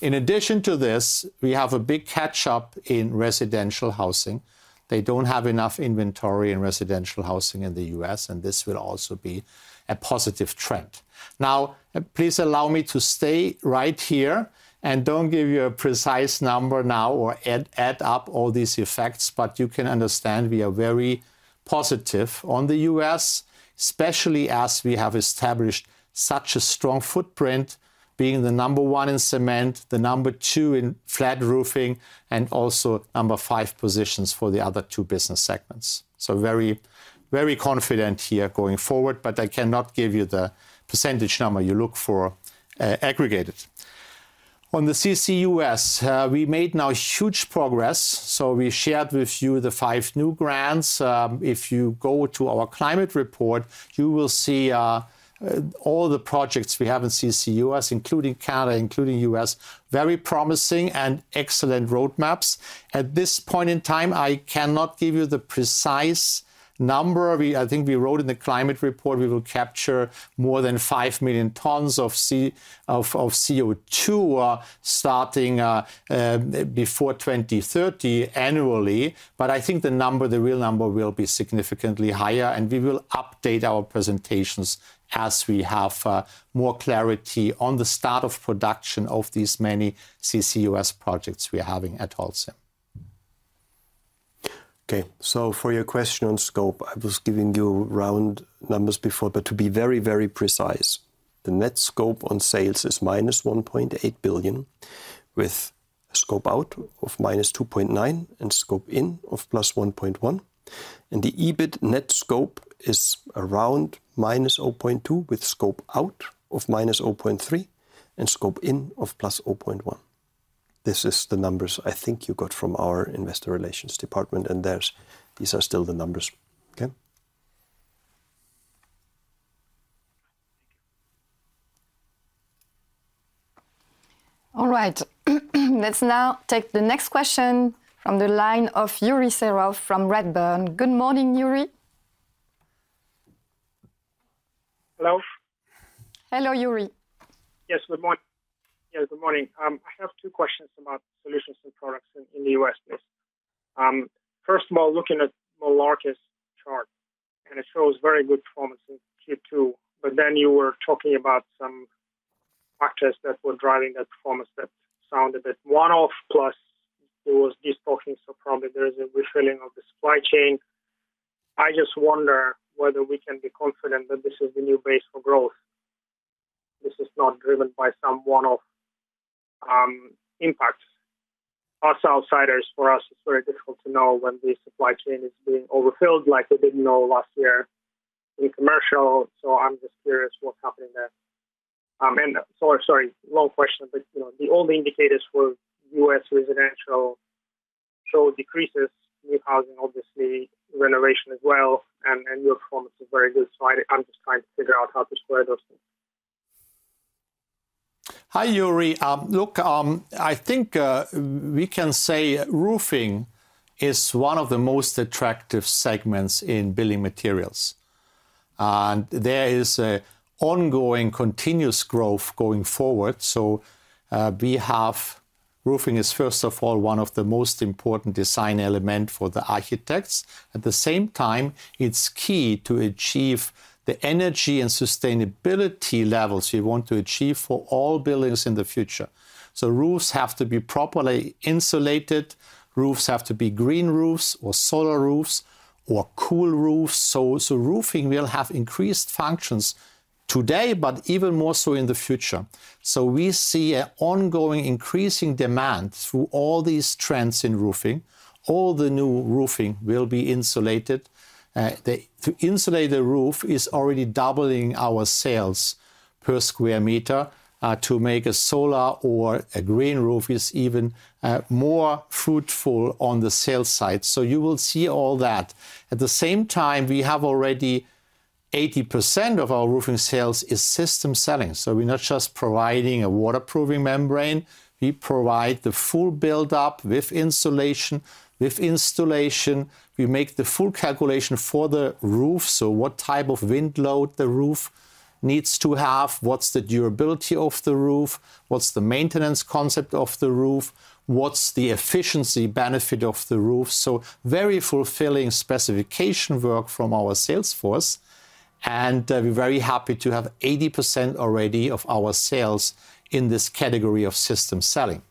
In addition to this, we have a big catch up in residential housing. They don't have enough inventory in residential housing in the U.S., and this will also be a positive trend. Now, please allow me to stay right here and don't give you a precise number now or add up all these effects, but you can understand we are very positive on the U.S., especially as we have established such a strong footprint, being the number one in cement, the number two in flat roofing, and also number five positions for the other two business segments. Very, very confident here going forward, but I cannot give you the percentage number you look for, aggregated. On the CCUS, we made now huge progress. We shared with you the five new grants. If you go to our climate report, you will see all the projects we have in CCUS, including Canada, including U.S., very promising and excellent roadmaps. At this point in time, I cannot give you the precise number. I think we wrote in the climate report, we will capture more than 5 million tons of CO2 starting before 2030 annually. I think the number, the real number, will be significantly higher, and we will update our presentations as we have more clarity on the start of production of these many CCUS projects we are having at Holcim. For your question on scope, I was giving you round numbers before, but to be very, very precise, the net scope on sales is -1.8 billion, with scope out of -2.9 billion and scope in of +1.1 billion. The EBIT net scope is around -0.2 billion, with scope out of -0.3 billion and scope in of +0.1 billion. This is the numbers I think you got from our investor relations department, these are still the numbers. Okay? All right. Let's now take the next question from the line of Yuri Serov from Redburn. Good morning, Yuri. Hello? Hello, Yuri. Yes, good morning. I have two questions about solutions and products in the U.S. please. First of all, looking at the largest chart, it shows very good performance in Q2, you were talking about some factors that were driving that performance that sounded a bit one-off, plus there was destocking. Probably there is a refilling of the supply chain. I just wonder whether we can be confident that this is the new base for growth. This is not driven by some one-off impacts. Us outsiders, for us, it's very difficult to know when the supply chain is being overfilled, like we didn't know last year in commercial. I'm just curious what's happening there? Sorry, long question, but, you know, the only indicators for US residential show decreases, new housing, obviously, renovation as well, and your performance is very good. I'm just trying to figure out how to square those things. Hi, Yuri. Look, I think, we can say roofing is one of the most attractive segments in building materials. There is a ongoing, continuous growth going forward. Roofing is, first of all, one of the most important design element for the architects. At the same time, it's key to achieve the energy and sustainability levels you want to achieve for all buildings in the future. Roofs have to be properly insulated, roofs have to be green roofs or solar roofs or cool roofs. Roofing will have increased functions today, but even more so in the future. We see a ongoing increasing demand through all these trends in roofing. All the new roofing will be insulated. [The insulated] roof is already doubling our sales per square meter, to make a solar or a green roof is even more fruitful on the sales side. You will see all that. At the same time, we have already 80% of our roofing sales is system selling, so we're not just providing a waterproofing membrane, we provide the full build-up with insulation. With installation, we make the full calculation for the roof, what type of wind load the roof needs to have? What's the durability of the roof? What's the maintenance concept of the roof? What's the efficiency benefit of the roof? Very fulfilling specification work from our sales force, we're very happy to have 80% already of our sales in this category of system selling.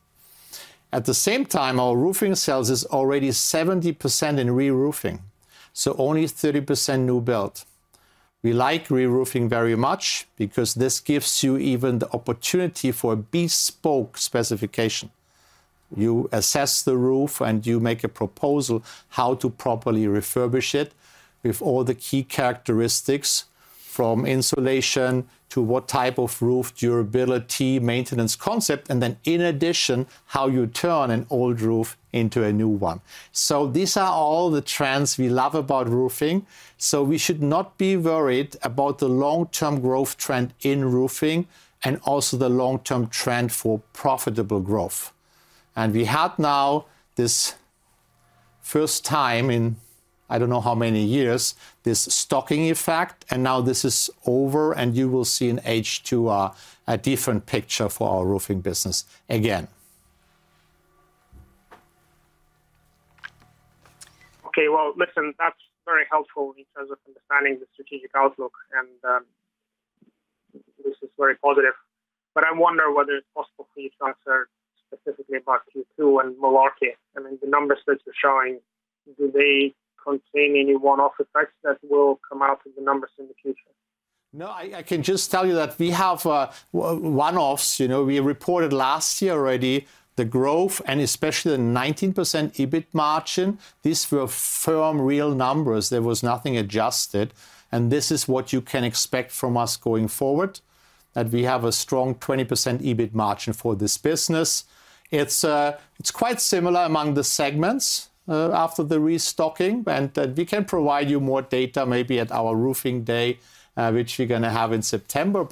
At the same time, our roofing sales is already 70% in reroofing, so only 30% new build. We like reroofing very much because this gives you even the opportunity for a bespoke specification. You assess the roof, and you make a proposal how to properly refurbish it with all the key characteristics, from insulation to what type of roof durability, maintenance concept, and then, in addition, how you turn an old roof into a new one. These are all the trends we love about roofing, so we should not be worried about the long-term growth trend in roofing and also the long-term trend for profitable growth. We had now, this first time in I don't know how many years, this stocking effect, and now this is over, and you will see in H2, a different picture for our roofing business again. Okay, well, listen, that's very helpful in terms of understanding the strategic outlook and this is very positive. I wonder whether it's possible for you to answer specifically about Q2 and market. I mean, the numbers that you're showing, do they contain any one-off effects that will come out in the numbers in the future? I can just tell you that we have one-offs. You know, we reported last year already the growth, and especially the 19% EBIT margin, these were firm, real numbers. There was nothing adjusted. This is what you can expect from us going forward, that we have a strong 20% EBIT margin for this business. It's quite similar among the segments, after the restocking. We can provide you more data, maybe at our roofing day, which we're gonna have in September.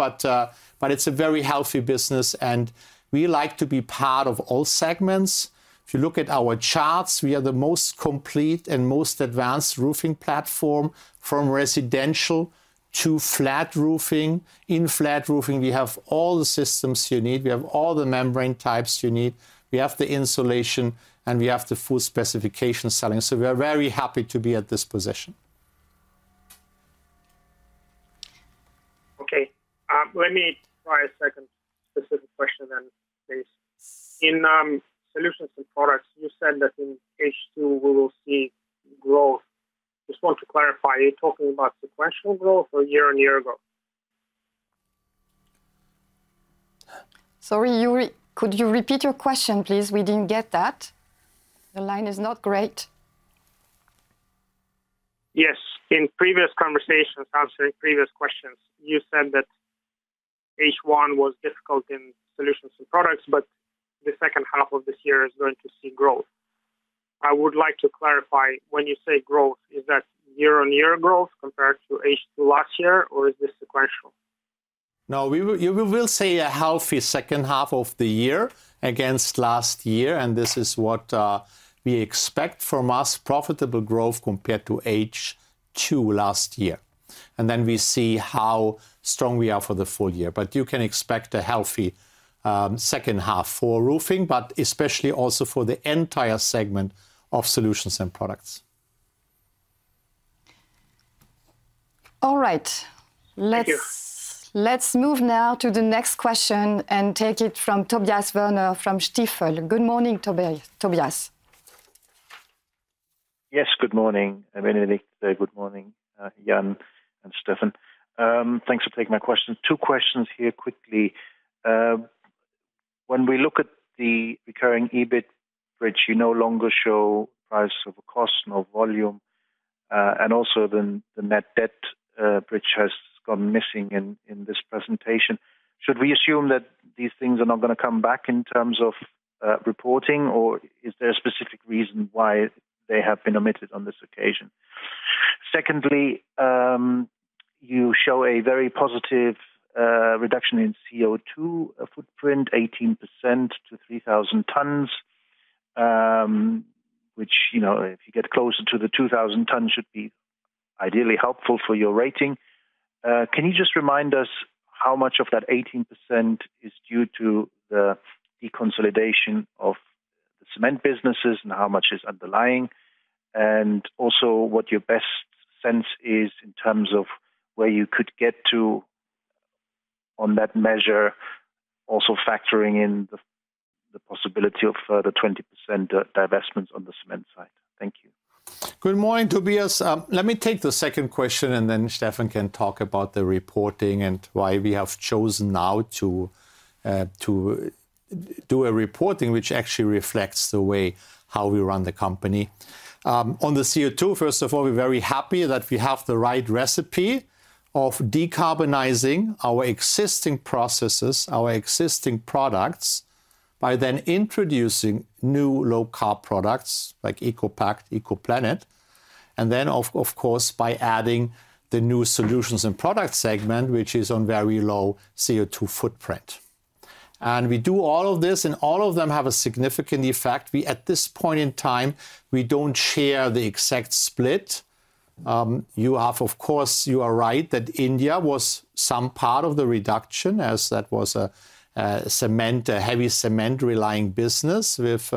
It's a very healthy business, and we like to be part of all segments. If you look at our charts, we are the most complete and most advanced roofing platform, from residential to flat roofing. In flat roofing, we have all the systems you need, we have all the membrane types you need, we have the insulation, and we have the full specification selling. We are very happy to be at this position. Okay, let me try a second specific question, please. In solutions and products, you said that in H2, we will see growth. Just want to clarify, are you talking about sequential growth or year-on-year growth? Sorry, could you repeat your question, please? We didn't get that. The line is not great. Yes. In previous conversations, answering previous questions, you said that H1 was difficult in solutions and products, but the second half of this year is going to see growth. I would like to clarify, when you say growth, is that year-on-year growth compared to H2 last year, or is this sequential? We will see a healthy second half of the year against last year, and this is what we expect from us, profitable growth compared to H2 last year. We see how strong we are for the full year. You can expect a healthy second half for roofing, especially also for the entire segment of solutions and products. All right. Thank you. Let's move now to the next question and take it from Tobias Woerner from Stifel. Good morning, Tobias. Yes, good morning, everybody. Good morning, Jan and Steffen. Thanks for taking my questions. Two questions here quickly. When we look at the recurring EBIT bridge, you no longer show price over cost, nor volume, and also the Net Debt bridge has gone missing in this presentation. Should we assume that these things are not gonna come back in terms of reporting, or is there a specific reason why they have been omitted on this occasion? Secondly, you show a very positive reduction in CO2, a footprint 18% to 3,000 tons. Which, you know, if you get closer to the 2,000 tons, should be ideally helpful for your rating. Can you just remind us how much of that 18% is due to the consolidation of the cement businesses, and how much is underlying? Also, what your best sense is in terms of where you could get to on that measure, also factoring in the possibility of further 20% divestments on the cement side. Thank you. Good morning, Tobias. Let me take the second question, then Steffen can talk about the reporting and why we have chosen now to do a reporting which actually reflects the way how we run the company. On the CO2, first of all, we're very happy that we have the right recipe of decarbonizing our existing processes, our existing products, by then introducing new low-carb products like ECOPact, ECOPlanet, of course, by adding the new solutions and product segment, which is on very low CO2 footprint. We do all of this, and all of them have a significant effect. At this point in time, we don't share the exact split. You have... Of course, you are right, that India was some part of the reduction, as that was a cement, a heavy cement-relying business with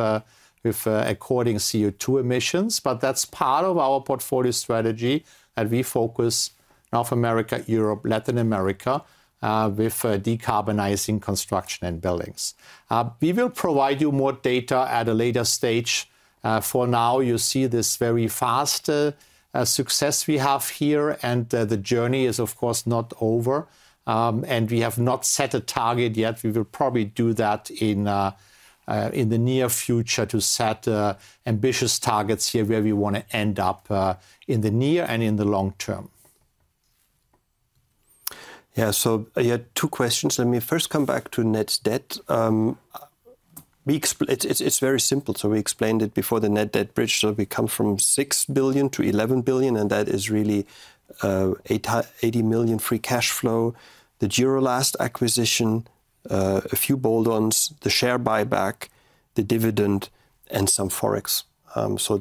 with according CO2 emissions. That's part of our portfolio strategy. We focus North America, Europe, Latin America with decarbonizing construction and buildings. We will provide you more data at a later stage. For now, you see this very fast success we have here. The journey is, of course, not over. We have not set a target yet. We will probably do that in the near future to set ambitious targets here, where we want to end up in the near and in the long term. [Yeah, you had] two questions. Let me first come back to Net Debt. It's very simple, so we explained it before the Net Debt bridge. We come from 6 billion to 11 billion, and that is really 80 million free cash flow. The Duro-Last acquisition, a few bolt-ons, the share buyback, the dividend, and some FX.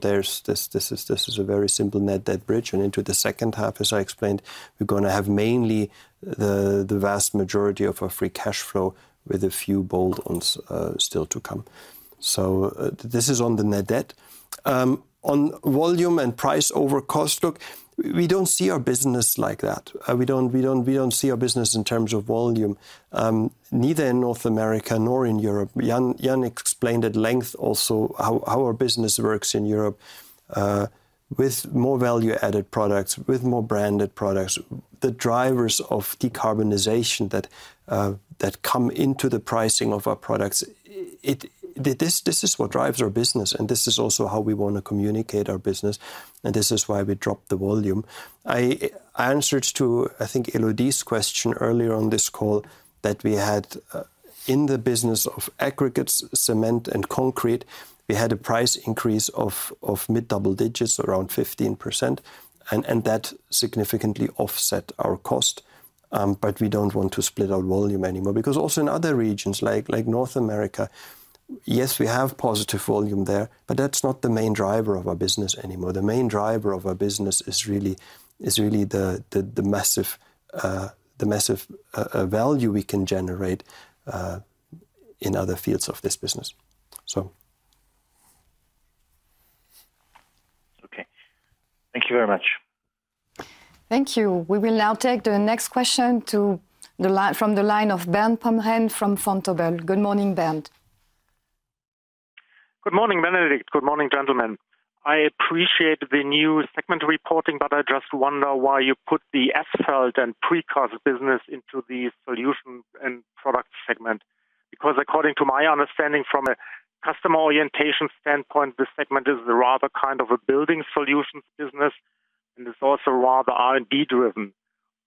This is a very simple Net Debt bridge. Into the second half, as I explained, we're going to have mainly the vast majority of our free cash flow with a few bolt-ons still to come. This is on the Net Debt. On volume and price over cost, look, we don't see our business like that. We don't see our business in terms of volume, neither in North America nor in Europe. Jan explained at length also how our business works in Europe, with more value-added products, with more branded products. The drivers of decarbonization that come into the pricing of our products, this is what drives our business, and this is also how we want to communicate our business, and this is why we dropped the volume. I answered to, I think, Elodie's question earlier on this call, that we had in the business of aggregates, cement, and concrete, we had a price increase of mid-double digits, around 15%, and that significantly offset our cost. We don't want to split our volume anymore, because also in other regions, like North America, yes, we have positive volume there, but that's not the main driver of our business anymore. The main driver of our business is really the massive value we can generate in other fields of this business. Okay. Thank you very much. Thank you. We will now take the next question from the line of Bernd Pomrehn from Vontobel. Good morning, Bernd. Good morning, Bénédicte. Good morning, gentlemen. I appreciate the new segment reporting. I just wonder why you put the asphalt and precast business into the solutions and products segment. According to my understanding from a customer orientation standpoint, this segment is rather kind of a building solutions business, and it's also rather R&D-driven.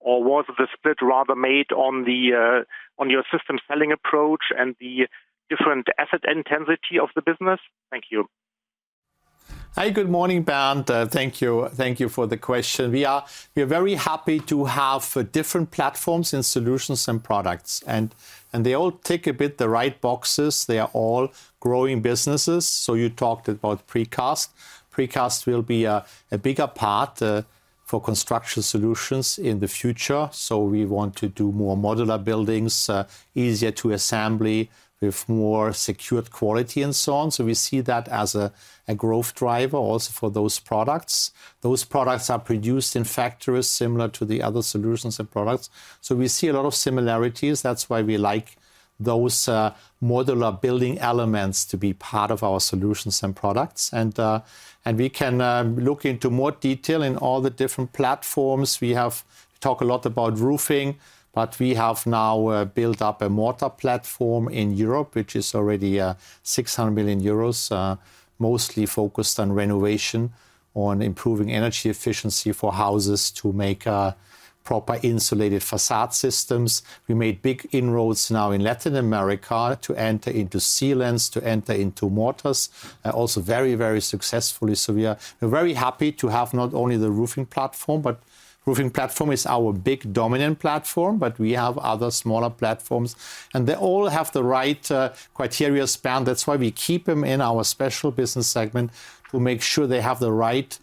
Was the split rather made on your system selling approach and the different asset intensity of the business? Thank you. Hi, good morning, Bernd. Thank you for the question. We are very happy to have different platforms and solutions and products, and they all tick a bit the right boxes. They are all growing businesses. You talked about precast. Precast will be a bigger part for construction solutions in the future, we want to do more modular buildings, easier to assembly, with more secured quality, and so on. We see that as a growth driver also for those products. Those products are produced in factories similar to the other solutions and products, we see a lot of similarities. That's why we like those modular building elements to be part of our solutions and products. We can look into more detail in all the different platforms. We have talked a lot about roofing, but we have now built up a mortar platform in Europe, which is already 600 million euros, mostly focused on renovation, on improving energy efficiency for houses to make proper insulated facade systems. We made big inroads now in Latin America to enter into sealants, to enter into mortars, also very, very successfully. We're very happy to have not only the roofing platform, but roofing platform is our big dominant platform, but we have other smaller platforms. They all have the right criteria span. That's why we keep them in our special business segment, to make sure they have the right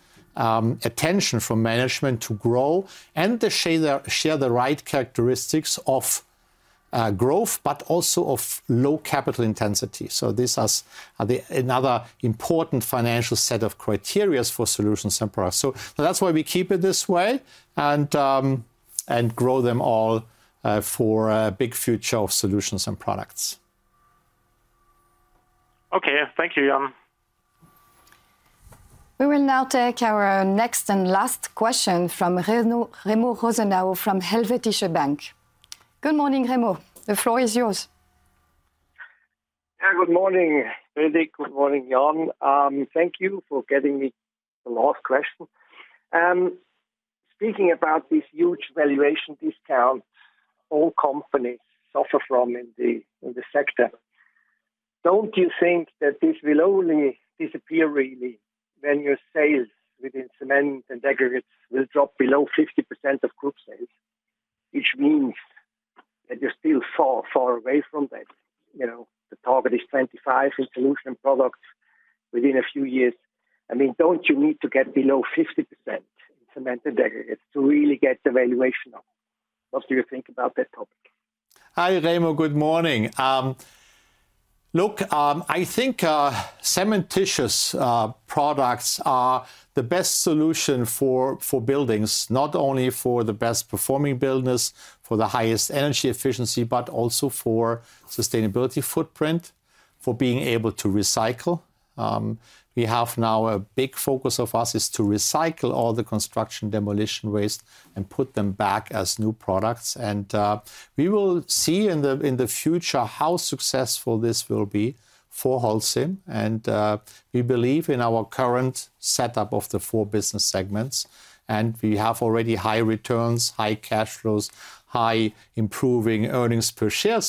attention from management to grow, and to share the right characteristics of growth, but also of low capital intensity. This is, the another important financial set of criteria for solutions and products. That's why we keep it this way, and grow them all, for a big future of solutions and products. Okay, thank you, Jan. We will now take our next and last question from Remo Rosenau from Helvetische Bank. Good morning, Remo. The floor is yours. Yeah, good morning, Bénédicte, good morning, Jan. Thank you for getting me the last question. Speaking about this huge valuation discount all companies suffer from in the, in the sector, don't you think that this will only disappear, really, when your sales within cement and aggregates will drop below 50% of group sales? Which means that you're still far, far away from that. You know, the target is 25 in solution and products within a few years. I mean, don't you need to get below 50% in cement and aggregates to really get the valuation up? What do you think about that topic? Hi, Remo, good morning. I think cementitious products are the best solution for buildings, not only for the best performing buildings, for the highest energy efficiency, but also for sustainability footprint, for being able to recycle. We have now a big focus of ours is to recycle all the construction demolition waste and put them back as new products. We will see in the future how successful this will be for Holcim, we believe in our current setup of the four business segments. We have already high returns, high cash flows, high improving earnings per share.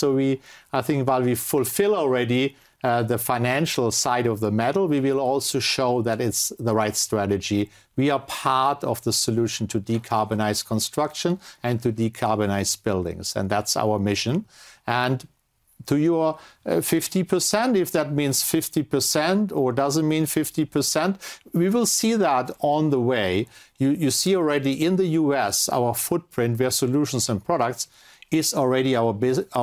I think while we fulfill already the financial side of the matter, we will also show that it's the right strategy. We are part of the solution to decarbonize construction and to decarbonize buildings, that's our mission. To your 50%, if that means 50% or doesn't mean 50%, we will see that on the way. You see already in the U.S., our footprint, via solutions and products, is already our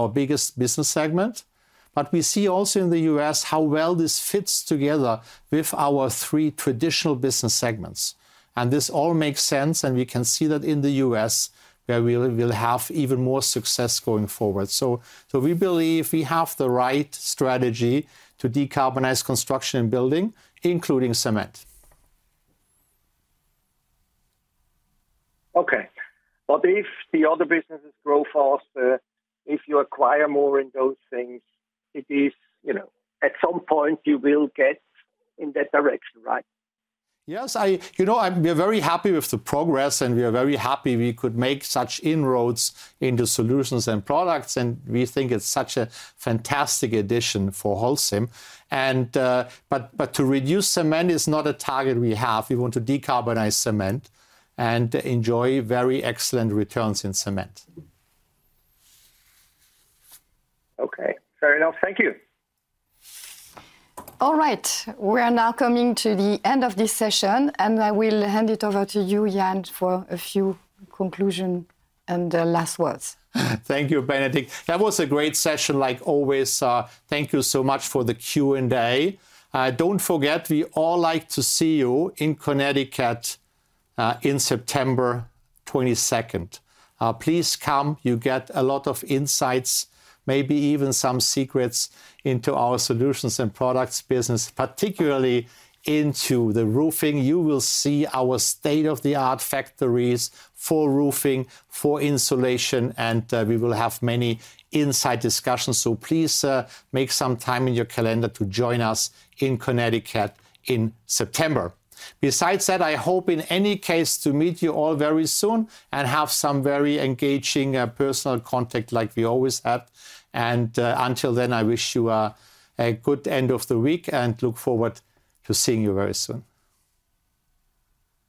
biggest business segment. We see also in the U.S., how well this fits together with our three traditional business segments, and this all makes sense, and we can see that in the U.S., where we'll have even more success going forward. We believe we have the right strategy to decarbonize construction and building, including cement. Okay. If the other businesses grow faster, if you acquire more in those things, it is... You know, at some point you will get in that direction, right? Yes. You know, we're very happy with the progress, and we are very happy we could make such inroads into solutions and products, and we think it's such a fantastic addition for Holcim. To reduce cement is not a target we have. We want to decarbonize cement and enjoy very excellent returns in cement. Okay. Fair enough. Thank you. All right. We are now coming to the end of this session. I will hand it over to you, Jan, for a few conclusion and last words. Thank you, Bénédicte. That was a great session, like always. Thank you so much for the Q&A. Don't forget, we all like to see you in Connecticut in September 22nd. Please come, you'll get a lot of insights, maybe even some secrets into our solutions and products business, particularly into the roofing. You will see our state-of-the-art factories for roofing, for insulation, and we will have many inside discussions. Please make some time in your calendar to join us in Connecticut in September. Besides that, I hope in any case, to meet you all very soon and have some very engaging personal contact like we always have. Until then, I wish you a good end of the week, and look forward to seeing you very soon.